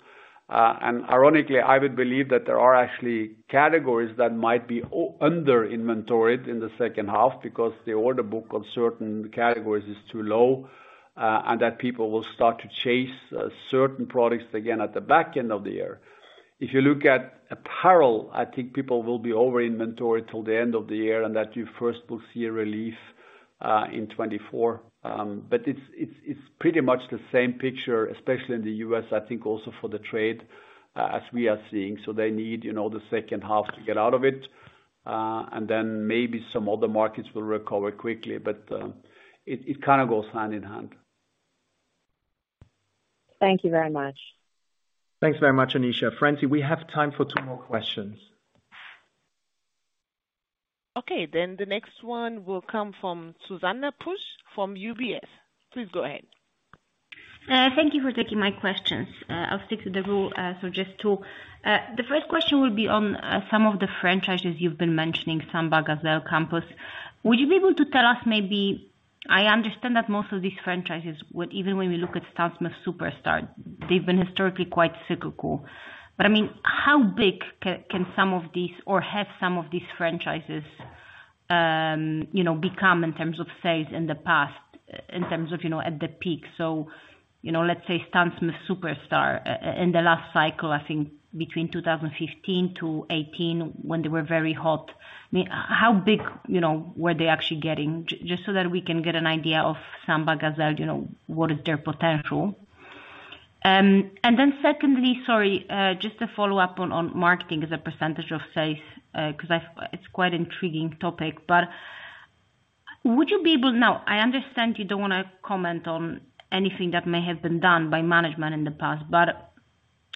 [SPEAKER 3] Ironically, I would believe that there are actually categories that might be under-inventoried in the second half because the order book on certain categories is too low, and that people will start to chase certain products again at the back end of the year. If you look at apparel, I think people will be over-inventoried till the end of the year and that you first will see a relief in 2024. It's pretty much the same picture, especially in the U.S., I think also for the trade, as we are seeing. They need the second half to get out of it, maybe some other markets will recover quickly. It kind of goes hand in hand.
[SPEAKER 13] Thank you very much.
[SPEAKER 2] Thanks very much, Aneesha. Francie, we have time for two more questions.
[SPEAKER 1] Okay. The next one will come from Zuzanna Pusz from UBS. Please go ahead.
[SPEAKER 14] Thank you for taking my questions. I'll stick to the rule, so just two. The first question will be on some of the franchises you've been mentioning, Samba, Gazelle, Campus. Would you be able to tell us maybe I understand that most of these franchises would, even when we look at Stan Smith Superstar, they've been historically quite cyclical. I mean, how big can some of these or have some of these franchises, you know, become in terms of sales in the past in terms of, you know, at the peak? You know, let's say Stan Smith Superstar in the last cycle, I think between 2015-2018 when they were very hot, I mean, how big, you know, were they actually getting? Just so that we can get an idea of Samba, Gazelle, you know, what is their potential. Secondly, sorry, just to follow up on marketing as a % of sales, 'cause it's quite intriguing topic, but Would you be able. Now, I understand you don't wanna comment on anything that may have been done by management in the past,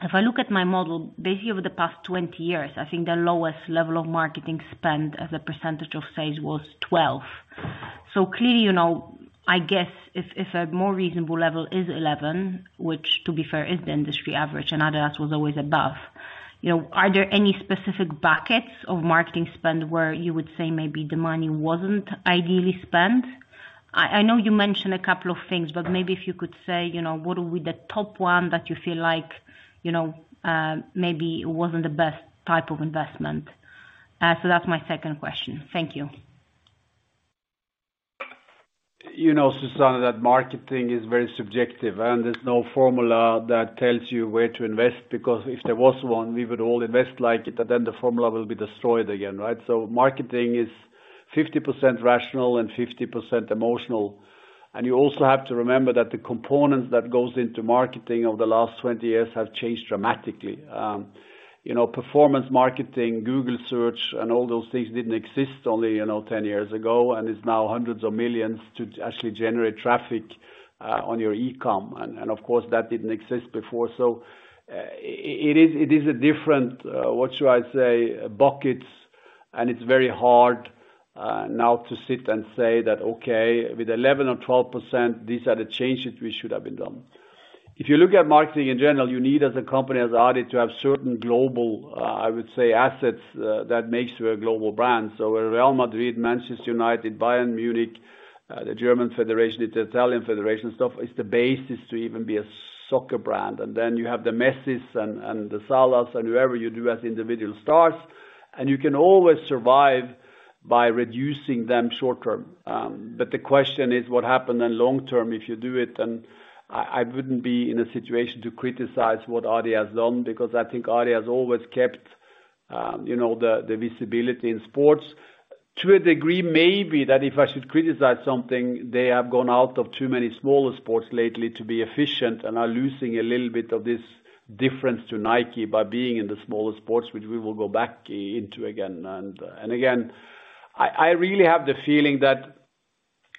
[SPEAKER 14] if I look at my model, basically over the past 20 years, I think the lowest level of marketing spend as a % of sales was 12. Clearly, you know, I guess if a more reasonable level is 11, which to be fair is the industry average, and adidas was always above, you know, are there any specific buckets of marketing spend where you would say maybe the money wasn't ideally spent? I know you mentioned a couple of things. Maybe if you could say, you know, what would be the top one that you feel like, you know, maybe it wasn't the best type of investment. That's my second question. Thank you.
[SPEAKER 3] You know, Zuzanna, that marketing is very subjective, and there's no formula that tells you where to invest, because if there was one, we would all invest like it, but then the formula will be destroyed again, right? Marketing is 50% rational and 50% emotional. You also have to remember that the components that goes into marketing over the last 20 years have changed dramatically. You know, performance marketing, Google search, and all those things didn't exist only, you know, 10 years ago, and it's now hundreds of millions to actually generate traffic on your e-com. Of course, that didn't exist before. It is a different, what should I say? Buckets, it's very hard now to sit and say that, "Okay, with 11% or 12%, these are the changes which should have been done." If you look at marketing in general, you need, as a company, as Adi, to have certain global, I would say assets, that makes you a global brand. Real Madrid, Manchester United, Bayern Munich, the German Federation, the Italian Federation, stuff, is the basis to even be a soccer brand. You have the Messis and the Salahs and whoever you do as individual stars, and you can always survive by reducing them short-term. The question is what happened in long term if you do it, and I wouldn't be in a situation to criticize what Adi has done because I think Adi has always kept, you know, the visibility in sports. To a degree, maybe that if I should criticize something, they have gone out of too many smaller sports lately to be efficient and are losing a little bit of this difference to Nike by being in the smaller sports, which we will go back into again. Again, I really have the feeling that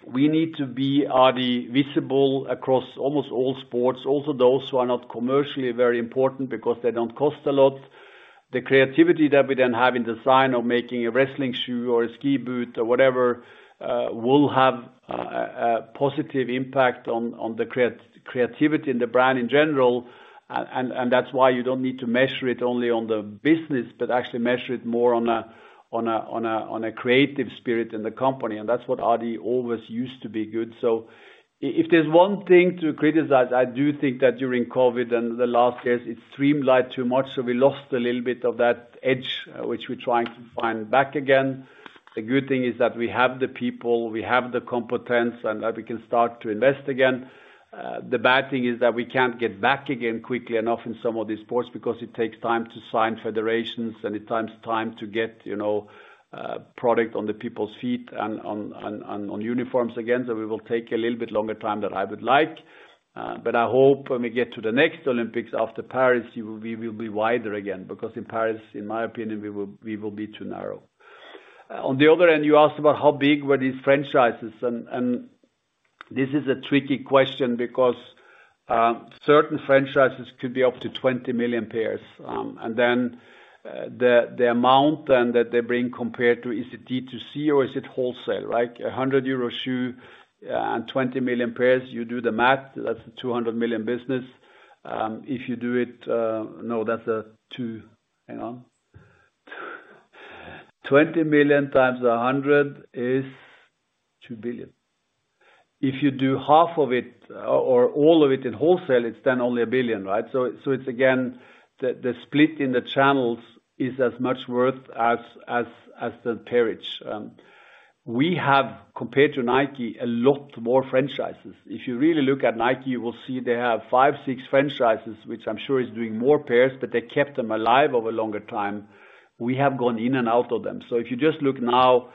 [SPEAKER 3] we need to be, Adi, visible across almost all sports, also those who are not commercially very important because they don't cost a lot. The creativity that we then have in design of making a wrestling shoe or a ski boot or whatever, will have a positive impact on the creativity in the brand in general. And that's why you don't need to measure it only on the business, but actually measure it more on a creative spirit in the company, and that's what Adi always used to be good. If there's one thing to criticize, I do think that during COVID and the last years, it streamlined too much, so we lost a little bit of that edge, which we're trying to find back again. The good thing is that we have the people, we have the competence, and that we can start to invest again. The bad thing is that we can't get back again quickly enough in some of these sports because it takes time to sign federations, and it takes time to get, you know, product on the people's feet and on uniforms again. We will take a little bit longer time than I would like, but I hope when we get to the next Olympics after Paris, we will be wider again because in Paris, in my opinion, we will be too narrow. On the other end, you asked about how big were these franchises and this is a tricky question because certain franchises could be up to 20 million pairs. The amount then that they bring compared to is it B2C or is it wholesale, right? A 100 euro shoe and 20 million pairs, you do the math, that's a 200 million business. If you do it, no, Hang on. 20 million times 100 is 2 billion. If you do half of it or all of it in wholesale, it's then only 1 billion, right? It's again, the split in the channels is as much worth as the pairage. We have, compared to Nike, a lot more franchises. If you really look at Nike, you will see they have five, six franchises, which I'm sure is doing more pairs, but they kept them alive over longer time. We have gone in and out of them. If you just look now,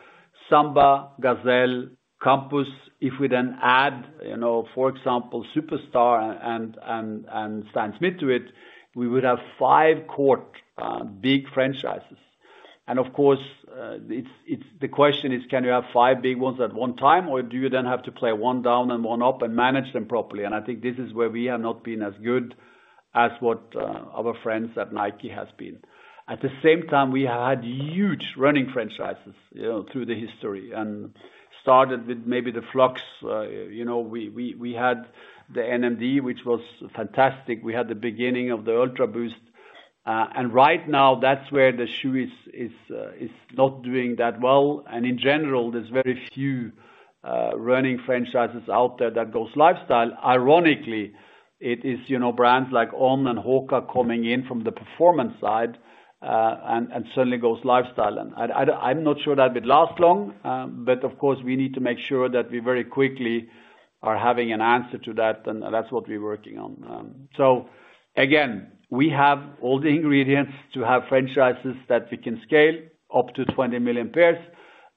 [SPEAKER 3] Samba, Gazelle, Campus, if we then add, you know, for example, Superstar and Stan Smith to it, we would have five core big franchises. Of course, it's the question, can you have five big ones at one time or do you then have to play one down and one up and manage them properly? I think this is where we have not been as good as what our friends at Nike has been. At the same time, we had huge running franchises, you know, through the history and started with maybe the Flux. You know, we had the NMD, which was fantastic. We had the beginning of the UltraBoost. Right now that's where the shoe is not doing that well. In general, there's very few running franchises out there that goes lifestyle. Ironically, it is, you know, brands like On and HOKA coming in from the performance side, and suddenly goes lifestyle. I'm not sure that would last long, but of course we need to make sure that we very quickly are having an answer to that, and that's what we're working on. Again, we have all the ingredients to have franchises that we can scale up to 20 million pairs,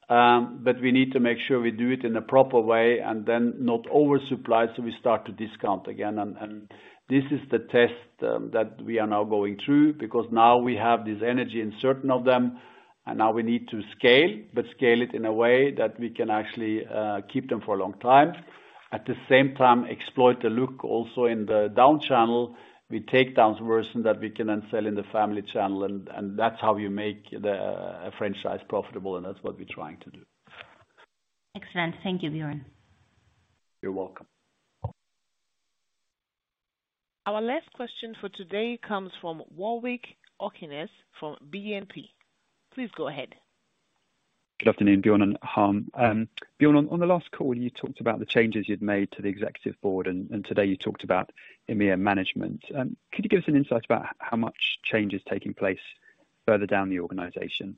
[SPEAKER 3] but we need to make sure we do it in a proper way and then not oversupply, so we start to discount again. This is the test that we are now going through because now we have this energy in certain of them. Now we need to scale, but scale it in a way that we can actually keep them for a long time. At the same time, exploit the look also in the down channel. We take down version that we can then sell in the family channel. That's how you make the franchise profitable. That's what we're trying to do.
[SPEAKER 14] Excellent. Thank you, Björn.
[SPEAKER 3] You're welcome.
[SPEAKER 1] Our last question for today comes from Warwick Okines from BNP. Please go ahead.
[SPEAKER 15] Good afternoon, Björn and Harm. Björn, on the last call, you talked about the changes you'd made to the executive board, and today, you talked about EMEA management. Could you give us an insight about how much change is taking place further down the organization?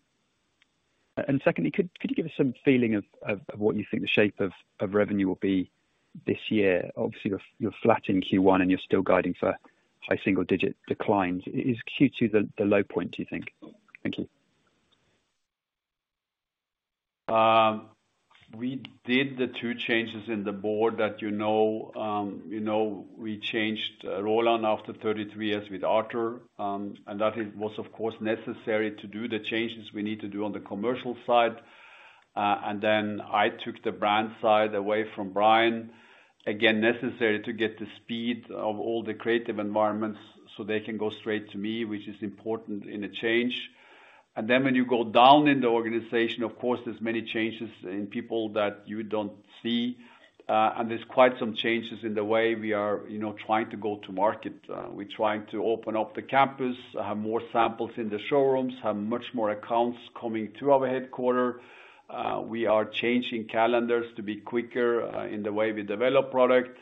[SPEAKER 15] Secondly, could you give us some feeling of what you think the shape of revenue will be this year? Obviously, you're flat in Q1 and you're still guiding for high single-digit declines. Is Q2 the low point, do you think? Thank you.
[SPEAKER 3] We did the two changes in the board that you know. You know, we changed Roland after 33 years with Arthur, that it was of course necessary to do the changes we need to do on the commercial side. Then I took the brand side away from Brian, again, necessary to get the speed of all the creative environments so they can go straight to me, which is important in a change. Then when you go down in the organization, of course, there's many changes in people that you don't see, and there's quite some changes in the way we are, you know, trying to go to market. We're trying to open up the campus, have more samples in the showrooms, have much more accounts coming through our headquarter. We are changing calendars to be quicker in the way we develop product.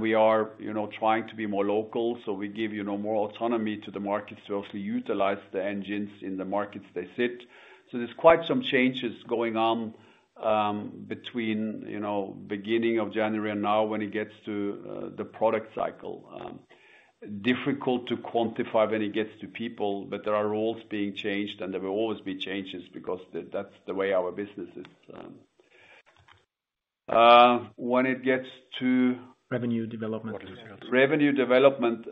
[SPEAKER 3] We are, you know, trying to be more local, so we give, you know, more autonomy to the markets to also utilize the engines in the markets they sit. There's quite some changes going on between, you know, beginning of January and now when it gets to the product cycle. Difficult to quantify when it gets to people, but there are roles being changed and there will always be changes because that's the way our business is. When it gets to-
[SPEAKER 15] Revenue development.
[SPEAKER 3] Revenue development,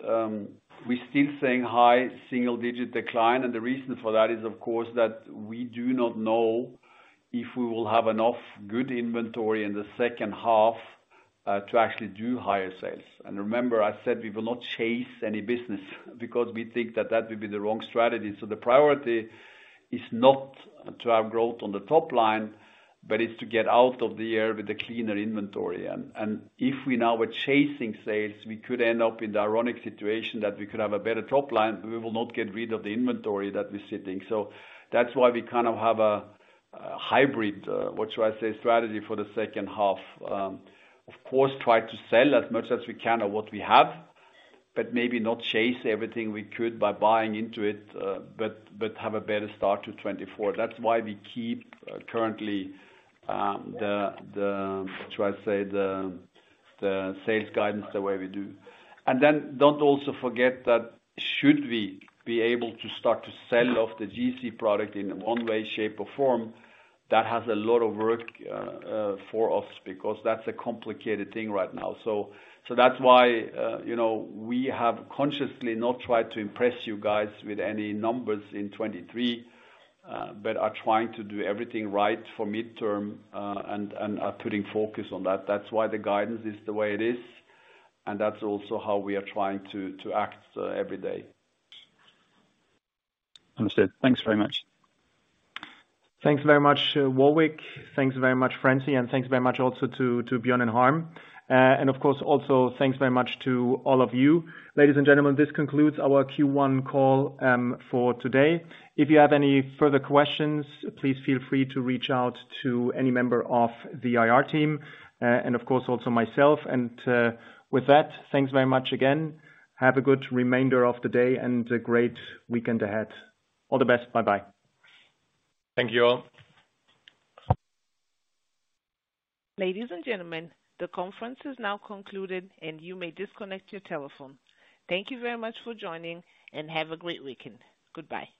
[SPEAKER 3] we're still saying high single-digit decline, and the reason for that is of course that we do not know if we will have enough good inventory in the second half to actually do higher sales. Remember, I said we will not chase any business because we think that that will be the wrong strategy. The priority is not to have growth on the top line, but it's to get out of the year with a cleaner inventory. If we now were chasing sales, we could end up in the ironic situation that we could have a better top line, but we will not get rid of the inventory that we're sitting. That's why we kind of have a hybrid, what should I say? Strategy for the second half. Of course, try to sell as much as we can of what we have, but maybe not chase everything we could by buying into it, but have a better start to 2024. That's why we keep currently, what should I say? The sales guidance the way we do. Don't also forget that should we be able to start to sell off the Yeezy product in one way, shape, or form, that has a lot of work for us because that's a complicated thing right now. That's why, you know, we have consciously not tried to impress you guys with any numbers in 2023, but are trying to do everything right for midterm and are putting focus on that. That's why the guidance is the way it is. That's also how we are trying to act every day.
[SPEAKER 15] Understood. Thanks very much.
[SPEAKER 2] Thanks very much, Warwick. Thanks very much, Francie, and thanks very much also to Björn and Harm. Of course, also, thanks very much to all of you. Ladies and gentlemen, this concludes our Q1 call for today. If you have any further questions, please feel free to reach out to any member of the IR team and of course, also myself. With that, thanks very much again. Have a good remainder of the day and a great weekend ahead. All the best. Bye-bye.
[SPEAKER 3] Thank you all.
[SPEAKER 1] Ladies and gentlemen, the conference is now concluded and you may disconnect your telephone. Thank you very much for joining, and have a great weekend. Goodbye.